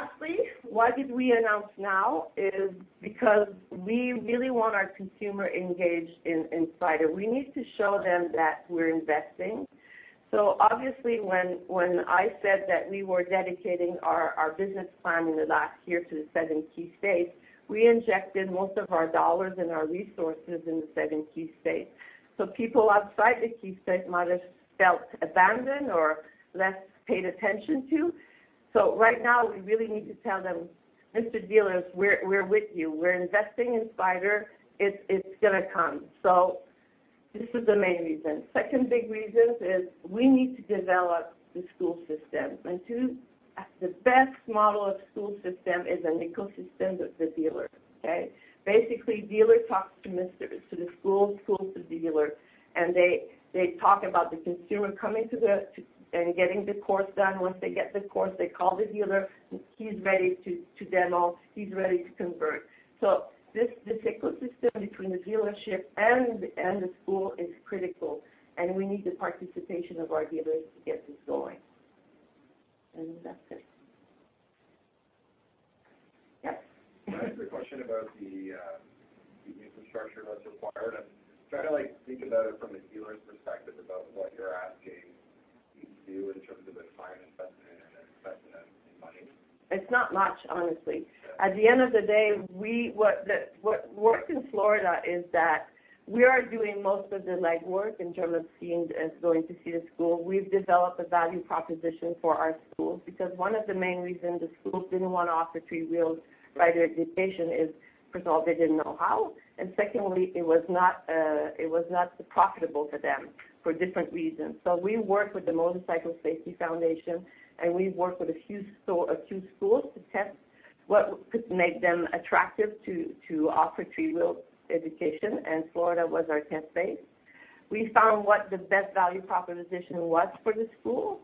Speaker 7: Lastly, why did we announce now is because we really want our consumer engaged in Spyder. We need to show them that we're investing. Obviously when I said that we were dedicating our business plan in the last year to the seven key states, we injected most of our dollars and our resources in the seven key states. People outside the key states might have felt abandoned or less paid attention to. Right now, we really need to tell them, "Mr. Dealers, we're with you. We're investing in Spyder. It's going to come." This is the main reason. Second big reason is we need to develop the school system. The best model of school system is an ecosystem with the dealer. Okay. Basically, dealer talks to the school to dealer, they talk about the consumer coming and getting the course done. Once they get the course, they call the dealer. He's ready to demo. He's ready to convert. This ecosystem between the dealership and the school is critical, we need the participation of our dealers to get this going. That's it. Yep.
Speaker 2: I had a question about the infrastructure that's required. I'm trying to think about it from a dealer's perspective about what you're asking me to do in terms of a client investing in infrastructure and money.
Speaker 7: It's not much, honestly.
Speaker 2: Okay.
Speaker 7: At the end of the day, what worked in Florida is that we are doing most of the legwork in terms of going to see the school. We've developed a value proposition for our schools, because one of the main reasons the schools didn't want to offer three-wheeled rider education is, first of all, they didn't know how, secondly, it was not profitable for them for different reasons. We worked with the Motorcycle Safety Foundation, we worked with a few schools to test what could make them attractive to offer three-wheel education, Florida was our test base. We found what the best value proposition was for the school,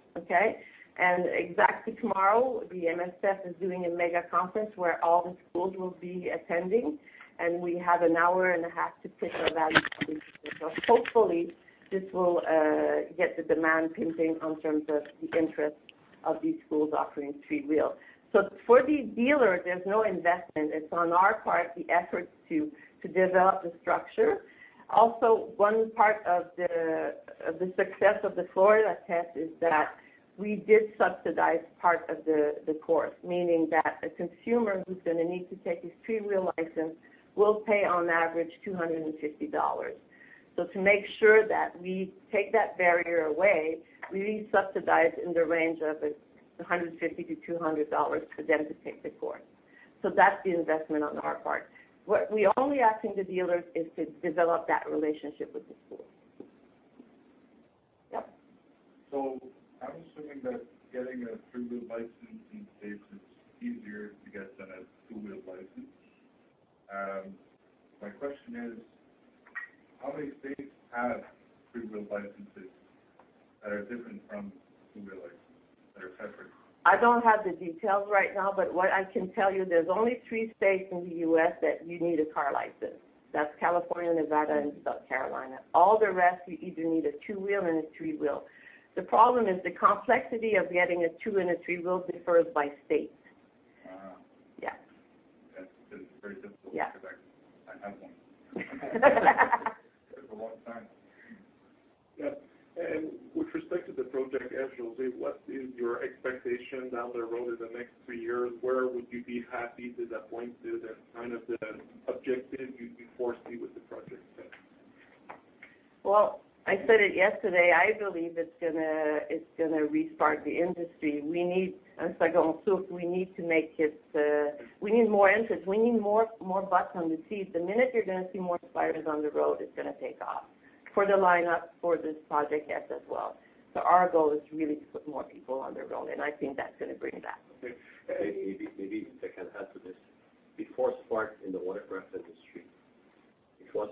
Speaker 7: okay. Exactly tomorrow, the MSF is doing a mega conference where all the schools will be attending, we have an hour and a half to pitch our value proposition. Hopefully, this will get the demand pinging in terms of the interest of these schools offering three-wheel. For the dealer, there's no investment. It's on our part, the efforts to develop the structure. Also, one part of the success of the Florida test is that we did subsidize part of the course, meaning that a consumer who's going to need to take his three-wheel license will pay on average $250. To make sure that we take that barrier away, we subsidize in the range of $150-$200 for them to take the course. That's the investment on our part. What we're only asking the dealers is to develop that relationship with the school. Yep.
Speaker 9: I'm assuming that getting a three-wheel license in states is easier to get than a two-wheel license. My question is, how many states have three-wheel licenses that are different from two-wheel licenses, that are separate?
Speaker 7: I don't have the details right now. What I can tell you, there's only three states in the U.S. that you need a car license. That's California, Nevada, and South Carolina. All the rest, you either need a two-wheel and a three-wheel. The problem is the complexity of getting a two and a three-wheel differs by state.
Speaker 9: Wow.
Speaker 7: Yeah.
Speaker 9: That's very difficult.
Speaker 7: Yeah
Speaker 9: because I have one. It took a long time.
Speaker 6: Yeah. With respect to the Project S, Josée, what is your expectation down the road in the next three years? Where would you be happy, disappointed, and the kind of the objective you foresee with the Project S?
Speaker 7: Well, I said it yesterday. I believe it's going to restart the industry. We need, Simon too, we need more entrance. We need more butts on the seat. The minute you're going to see more Spyders on the road, it's going to take off. For the lineup, for this Project S as well. Our goal is really to put more people on the road, and I think that's going to bring it back.
Speaker 9: Okay.
Speaker 2: Maybe I can add to this. Before Spark in the watercraft industry, it was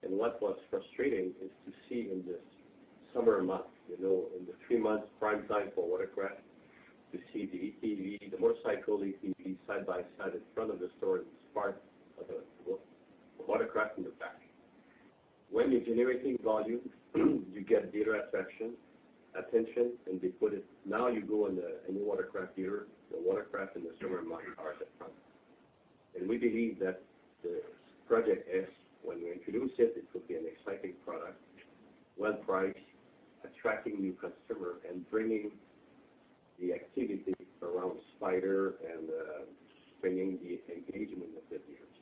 Speaker 2: sluggish. What was frustrating is to see in the summer months, in the three months prime time for watercraft, to see the ATV, the motorcycle ATV Side-by-Side in front of the store, and Spark, the watercraft in the back. When you generate volume, you get dealer attention, and they put it. Now you go in any watercraft dealer, the watercraft in the summer months are at the front. We believe that the Project S, when we introduce it will be an exciting product. Right price, attracting new customer, and bringing the activity around Spyder and sustaining the engagement of the dealers.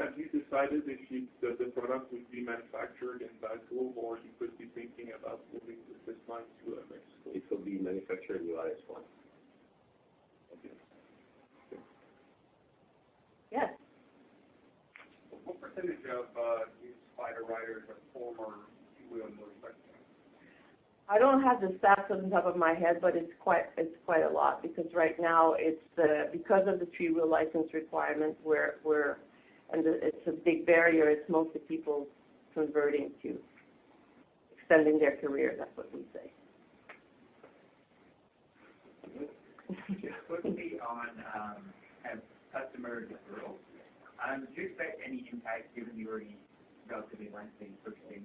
Speaker 6: Have you decided if the product would be manufactured in Valcourt, or you could be thinking about moving this line to Mexico?
Speaker 2: It will be manufactured in the U.S., yes.
Speaker 7: Yes.
Speaker 2: What percentage of these Spyder riders are former two-wheel motorcyclists?
Speaker 7: I don't have the stats on the top of my head, but it's quite a lot because right now, because of the three-wheel license requirement, it's a big barrier. It's mostly people converting to extending their career, that's what we say.
Speaker 2: Quickly on customer growth. Do you expect any impact given you already relatively lengthening purchasing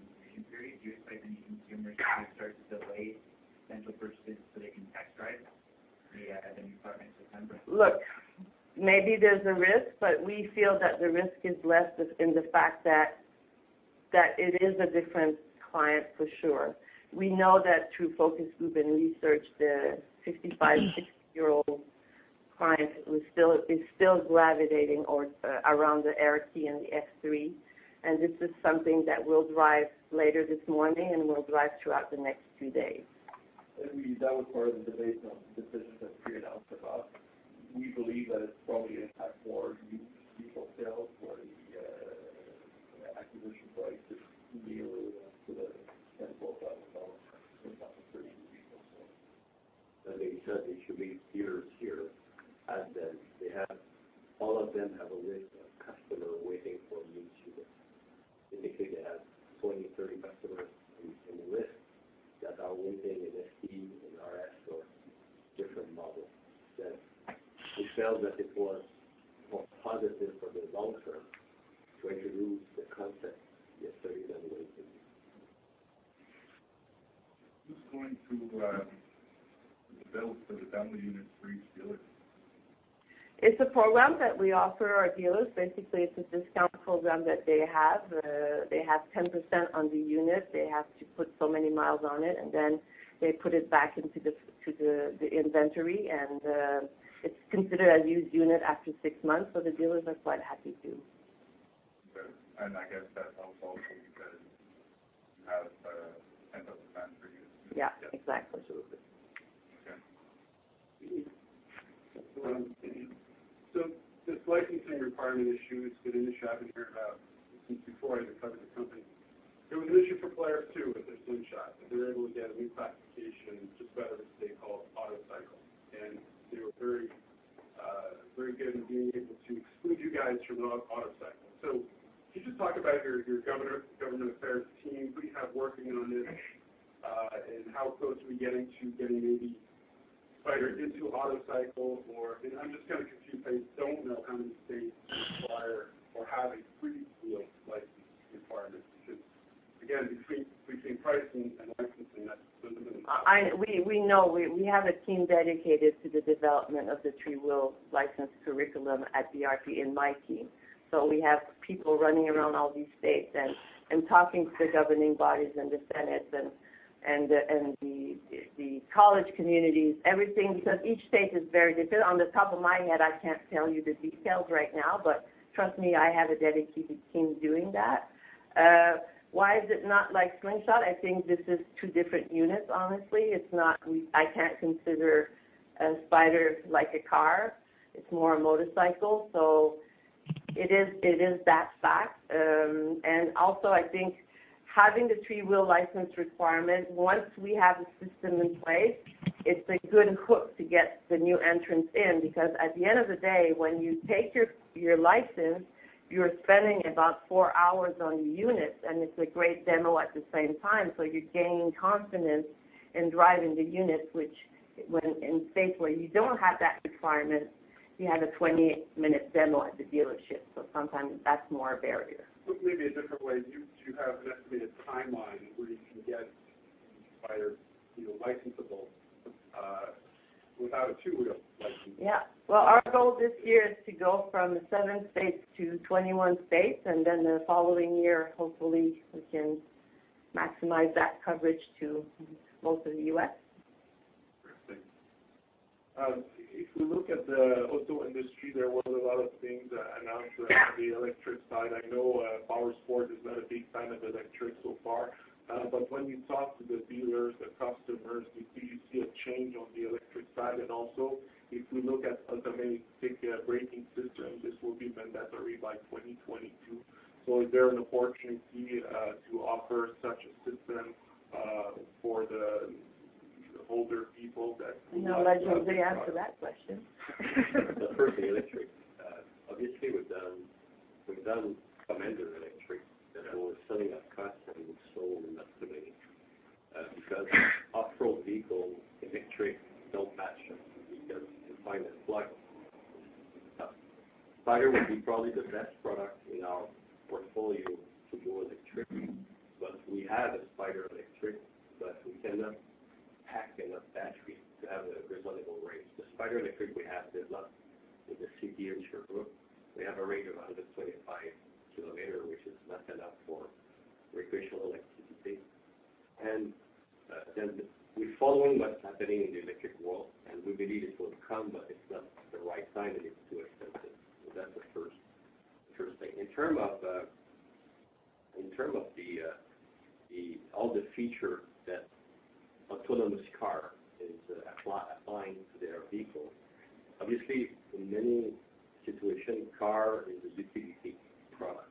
Speaker 2: period? Do you expect any consumers to start to delay potential purchases so they can test drive the new product in September?
Speaker 7: Look, maybe there's a risk, we feel that the risk is less in the fact that it is a different client, for sure. We know that through focus group and research, the 55, 60-year-old client is still gravitating around the RT and the F3. This is something that we'll drive later this morning, we'll drive throughout the next two days.
Speaker 2: That was part of the debate on the decision that Pierre announced about. We believe that it's probably going to have more youth vehicle sales where the acquisition price is merely to the CAD 10,000-CAD 13,000. As they said, they should be zero here. All of them have a list of customers waiting for new units. Typically, they have 20, 30 customers in the list that are waiting an ST, an RS different model that we felt that it was more positive for the long term to introduce the concept yesterday than wait for you.
Speaker 6: Who's going to bill for the demo unit for each dealer?
Speaker 7: It's a program that we offer our dealers. Basically, it's a discount program that they have. They have 10% on the unit. They have to put so many miles on it, and then they put it back into the inventory and it's considered a used unit after six months. The dealers are quite happy, too.
Speaker 6: Good. I guess that's helpful because you have 10% for used.
Speaker 7: Yeah, exactly.
Speaker 6: Okay.
Speaker 10: This licensing requirement issue is good in the shop and hear about since before I discovered the company, it was an issue for Polaris, too, with their Slingshot, that they were able to get a new classification just about every state called autocycle, and they were very good in being able to exclude you guys from autocycle. Can you just talk about your government affairs team, who you have working on this, and how close are we getting to getting maybe Spyder into autocycle? Or, I'm just kind of confused. I don't know how many states require or have a three-wheel license requirement, because again, between pricing and licensing, that's been-
Speaker 7: We know. We have a team dedicated to the development of the three-wheel license curriculum at BRP in my team. We have people running around all these states and talking to the governing bodies and the senates and the college communities, everything, because each state is very different. On the top of my head, I can't tell you the details right now, but trust me, I have a dedicated team doing that. Why is it not like Slingshot? I think this is two different units, honestly. I can't consider a Spyder like a car. It's more a motorcycle. It is that fact. Also, I think having the three-wheel license requirement, once we have a system in place, it's a good hook to get the new entrants in, because at the end of the day, when you take your license, you're spending about 4 hours on the unit, and it's a great demo at the same time. You're gaining confidence in driving the units, which when in states where you don't have that requirement, you have a 20 minutes demo at the dealership. Sometimes that's more a barrier.
Speaker 10: Put maybe a different way. Do you have an estimated timeline where you can get Spyder licensable without a two-wheel license?
Speaker 7: Well, our goal this year is to go from seven states to 21 states, then the following year, hopefully we can maximize that coverage to most of the U.S.
Speaker 6: Perfect. If we look at the auto industry, there were a lot of things announced around the electric side. I know Powersports is not a big fan of electric so far. When you talk to the dealers, the customers, do you see a change on the electric side? Also, if we look at automatic braking system, this will be mandatory by 2022. Is there an opportunity to offer such a system for the older people that do not have-
Speaker 7: I know Alain's going to answer that question.
Speaker 2: First, the electric. Obviously, we've done Commander electric, we're selling at cost and we've sold not too many, because off-road vehicle, electric don't match because you can find a plug. Spyder would be probably the best product in our portfolio to go electric, we have a Spyder electric, but we cannot pack enough batteries to have a reasonable range. The Spyder electric we have, the Z1 with the CT in Sherbrooke, we have a range of 125 km, which is not enough for recreational electricity. Then we're following what's happening in the electric world, and we believe it will come, but it's not the right time and it's too expensive. That's the first thing. In term of all the feature that autonomous car is applying to their vehicle, obviously in many situation, car is a utility product,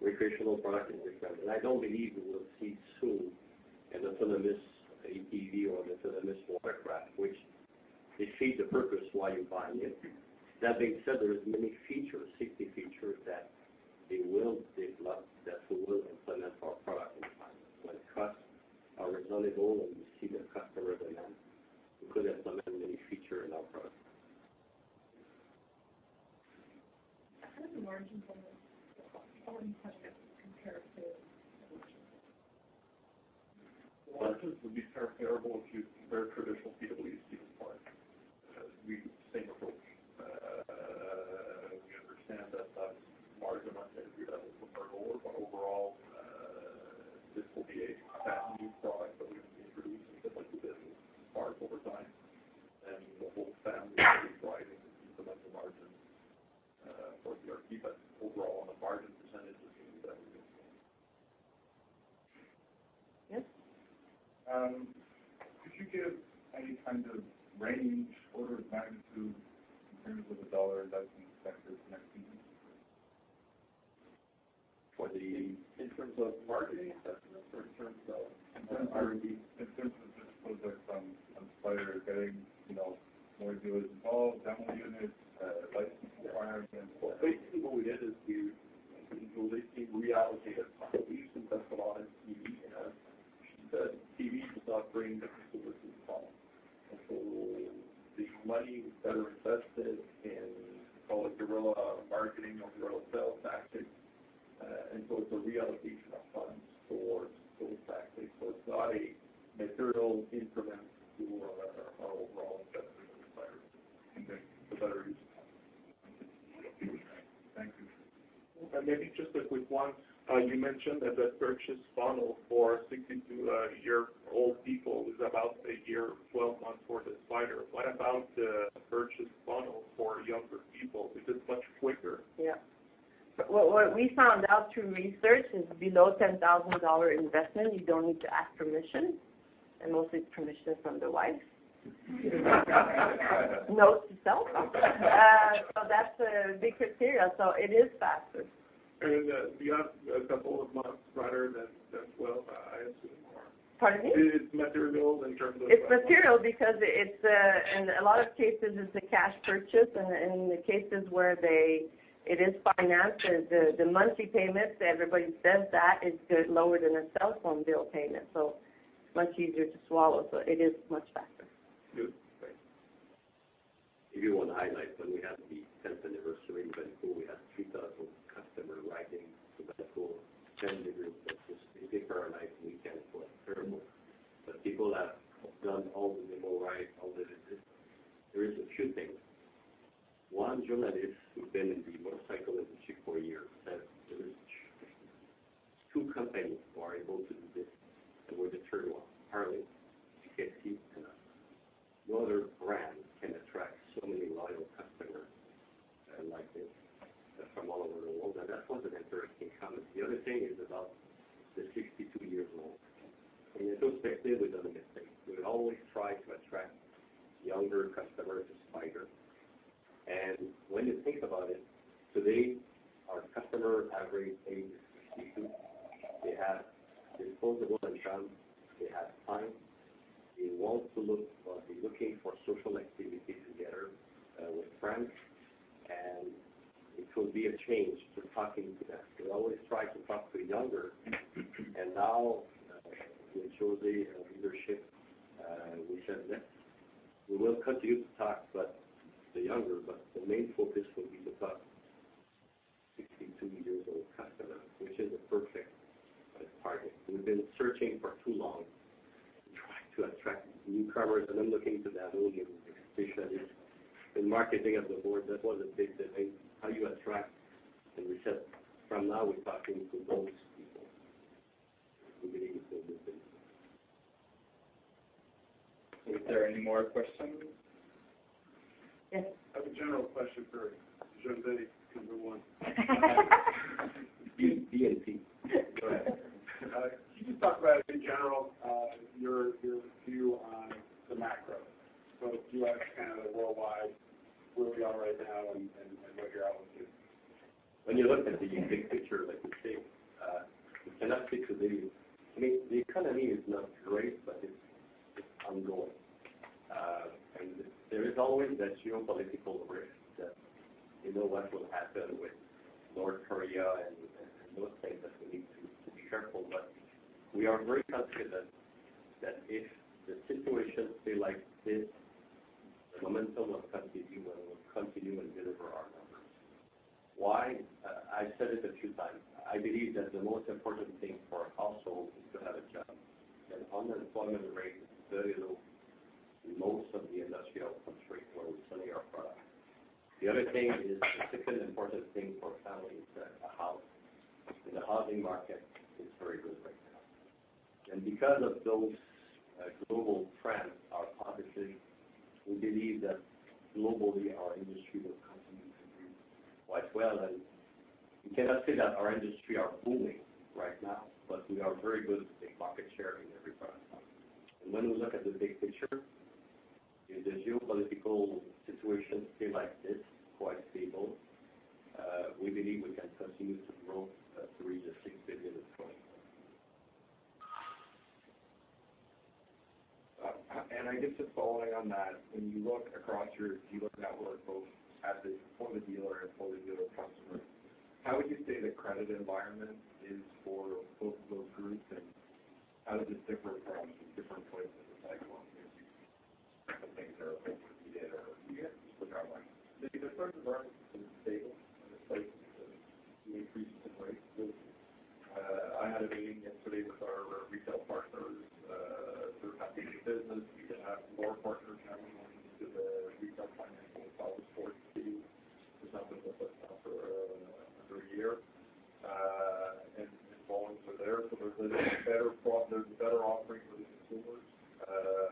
Speaker 2: recreational product is different. I don't believe we will see soon an autonomous ATV or an autonomous watercraft, which defeats the purpose why you're buying it. That being said, there are many features, safety features, that they will develop that we will implement for our product in time. When costs are reasonable, and we see the customer demand, we could implement many features in our product.
Speaker 4: How do the margins on the Powersports unit compare to the other units?
Speaker 11: Margins would be comparable to very traditional PWC products. We use the same approach. We understand that that margin on that entry level is lower, overall, this will be a family of products that we will be introducing to the business over time, and the whole family will be driving decent enough margins for BRP. Overall, on a margin percentage, it's going to be better than PWC.
Speaker 7: Yes.
Speaker 6: Could you give any kind of range, order of magnitude in terms of a CAD investment expected next season?
Speaker 2: For the
Speaker 6: In terms of marketing investment or in terms of R&D.
Speaker 10: In terms of just projects on Spyder getting more dealers involved, demo units, license requirements.
Speaker 2: Basically what we did is we So they say reallocate our time. We've spent a lot on TV, and she said TV does not bring the customers in the store. This money is better invested in, call it guerrilla marketing or guerrilla sales tactics. It's a reallocation of funds towards those tactics. It's not a material increment to our overall spend, it's a better use of money.
Speaker 6: Okay. Thank you. Maybe just a quick one. You mentioned that the purchase funnel for 62-year-old people is about a year, 12 months for the Spyder. What about the purchase funnel for younger people? Is it much quicker?
Speaker 7: Yeah. What we found out through research is below CAD 10,000 investment, you don't need to ask permission. Mostly it's permission from the wife. Note to self. That's a big criteria. It is faster.
Speaker 6: Is that a couple of months rather than 12, I assume, or
Speaker 7: Pardon me?
Speaker 6: It's material in terms of-
Speaker 7: It's material because in a lot of cases, it's a cash purchase, and in the cases where it is financed, the monthly payments, everybody says that it's lower than a cellphone bill payment, so much easier to swallow. It is much faster.
Speaker 6: Good. Thanks.
Speaker 2: If you want to highlight, when we had the 10th anniversary in Valcourt, we had 3,000 customers riding to Valcourt, spending the night, weekend for a carnival. People have done all the demo rides, all the visits. There is a few things. One journalist who's been picture, like you say, you cannot speak to the economy is not great, but it's ongoing. There is always that geopolitical risk that you know what will happen with North Korea and those things that we need to be careful. We are very confident that if the situation stay like this, the momentum will continue and deliver our numbers. Why? I said it a few times. I believe that the most important thing for a household is to have a job. Unemployment rate is very low in most of the industrial countries where we're selling our product. The other thing is the second important thing for a family is a house. The housing market is very good right now. Because of those global trends, our population, we believe that globally our industry will continue to do quite well. We cannot say that our industry are booming right now, but we are very good in market share in every product line. When we look at the big picture, if the geopolitical situation stay like this, quite stable, we believe we can continue to grow at 3 billion-6 billion in 2024.
Speaker 3: I guess just following on that, when you look across your dealer network, both for the dealer and for the dealer customer, how would you say the credit environment is for both of those groups, and how does it differ from different points in the cycle? If you see something terrible
Speaker 11: The credit environment is stable, and it's like we increased in rates this year. I had a meeting yesterday with our retail partners for the financing business. We have more partners now going into the retail financial products. It's not been put out for over a year. Volumes are there, so there's a better offering for the consumers.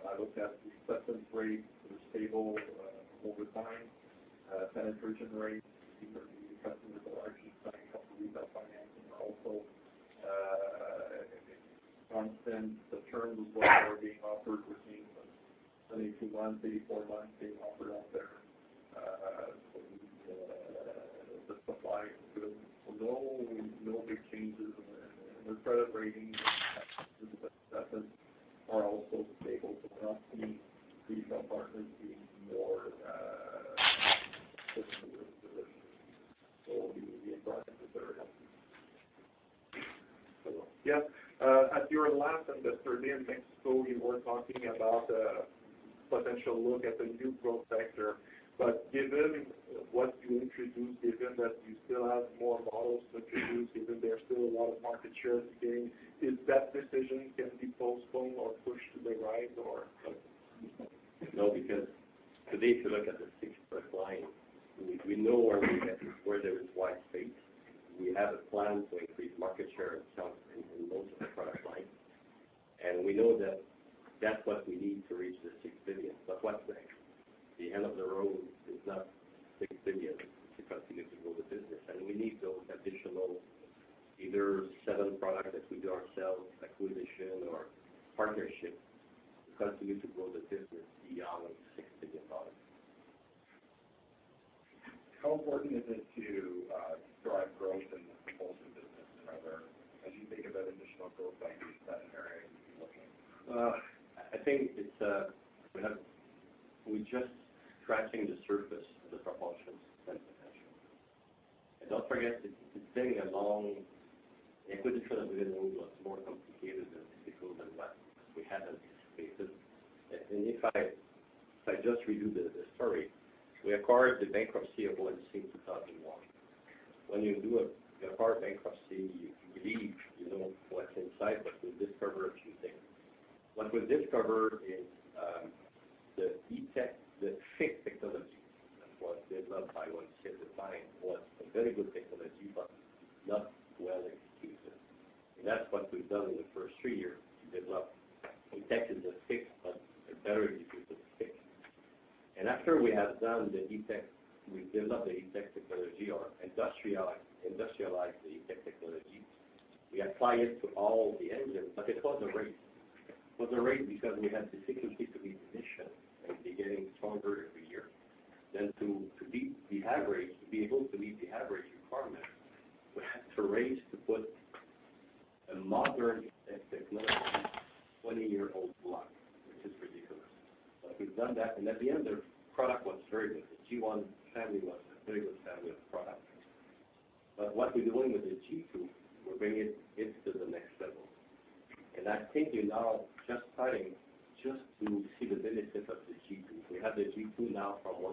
Speaker 11: I looked at the acceptance rates. They're stable over time. Penetration rates seem to be customers are largely signing up for retail financing also. Constant, the terms that are being offered, we're seeing 22 months, 24 months being offered out there. The supply is good. No big changes
Speaker 5: Their credit ratings and their assets are also stable. We don't see retail partners being more.
Speaker 1: Hello.
Speaker 6: Yes. At your last investor day in Mexico, you were talking about the potential look at the new growth sector. Given what you introduced, given that you still have more models to introduce, given there's still a lot of market share to gain, is that decision can be postponed or pushed to the right, or?
Speaker 2: No, because today, if you look at the sixth product line, we know where there is wide space. We have a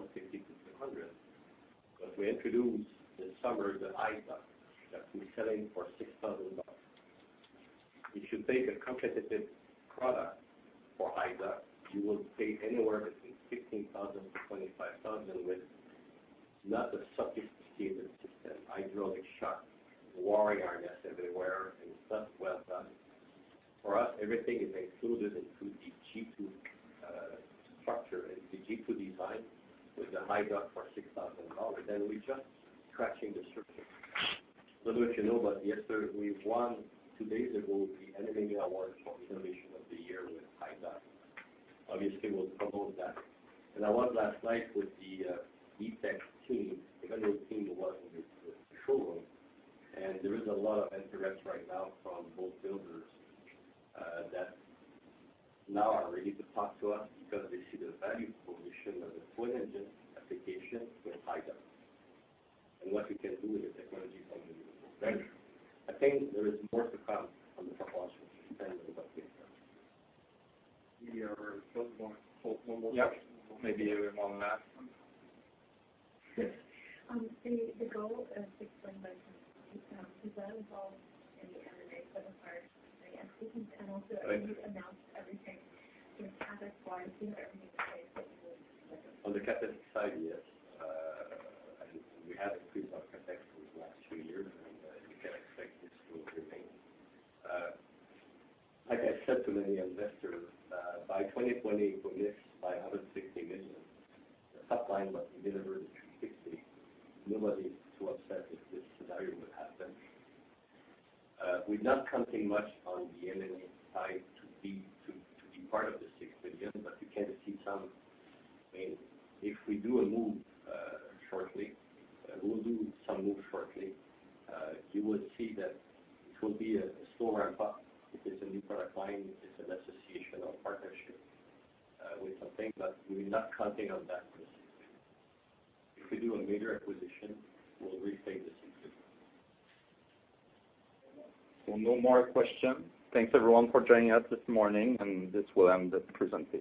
Speaker 2: race. It was a race because we had the, they're getting stronger every year. To beat the average, to be able to beat the average requirement, we have to race to put a modern E-TEC technology in a 20-year-old block, which is ridiculous. We've done that, at the end, their product was very good. The Tier 1 family was a very good family of products. What we're doing with the G2, we're bringing it to the next level. I think you're now just starting, just to see the benefits of the G2. We have the G2 now from 150 to 200, we introduced this summer the iDock that we're selling for CAD 6,000. You should take a competitive product for iDock, you will pay anywhere between CAD 16,000-CAD 25,000 with not a sophisticated system, hydraulic shocks, wiring harness everywhere, it's not well done. For us, everything is included into the G2 structure and the G2 design with the iDock for 6,000 dollars, we're just scratching the surface. Don't know if you know, yesterday we won, two days ago, the NMMA award for Innovation of the Year with iDock. Obviously, we'll promote that. I was last night with the E-TEC team, the other team that was in the showroom. There is a lot of interest right now from boat builders, that now are ready to talk to us because they see the value proposition of the twin engine application with iDock and what we can do with the technology from the propeller. I think there is more to come from the propulsion system than what we have done.
Speaker 1: We are still going. One more question.
Speaker 6: Yeah.
Speaker 1: Maybe even more than that.
Speaker 4: The goal of CAD 6 billion by 2025 involves any M&A for the first three. Also, have you announced everything, you know, catalyst-wise? Do you have everything in place that you would like?
Speaker 2: On the catalyst side, yes. We have increased our CapEx over the last three years, and you can expect this to remain. Like I said to many investors, by 2020, if we miss by 160 million the top line what we delivered in 260 million, nobody is too upset if this scenario would happen. We're not counting much on the M&A side to be part of the CAD 6 billion, but you can see I mean, if we do a move shortly, we'll do some move shortly, you would see that it will be a slow ramp-up if it's a new product line, if it's an association or partnership with something, but we're not counting on that for CAD 6 billion. If we do a major acquisition, we'll rethink the CAD 6 billion.
Speaker 1: No more questions. Thanks, everyone, for joining us this morning, and this will end the presentation.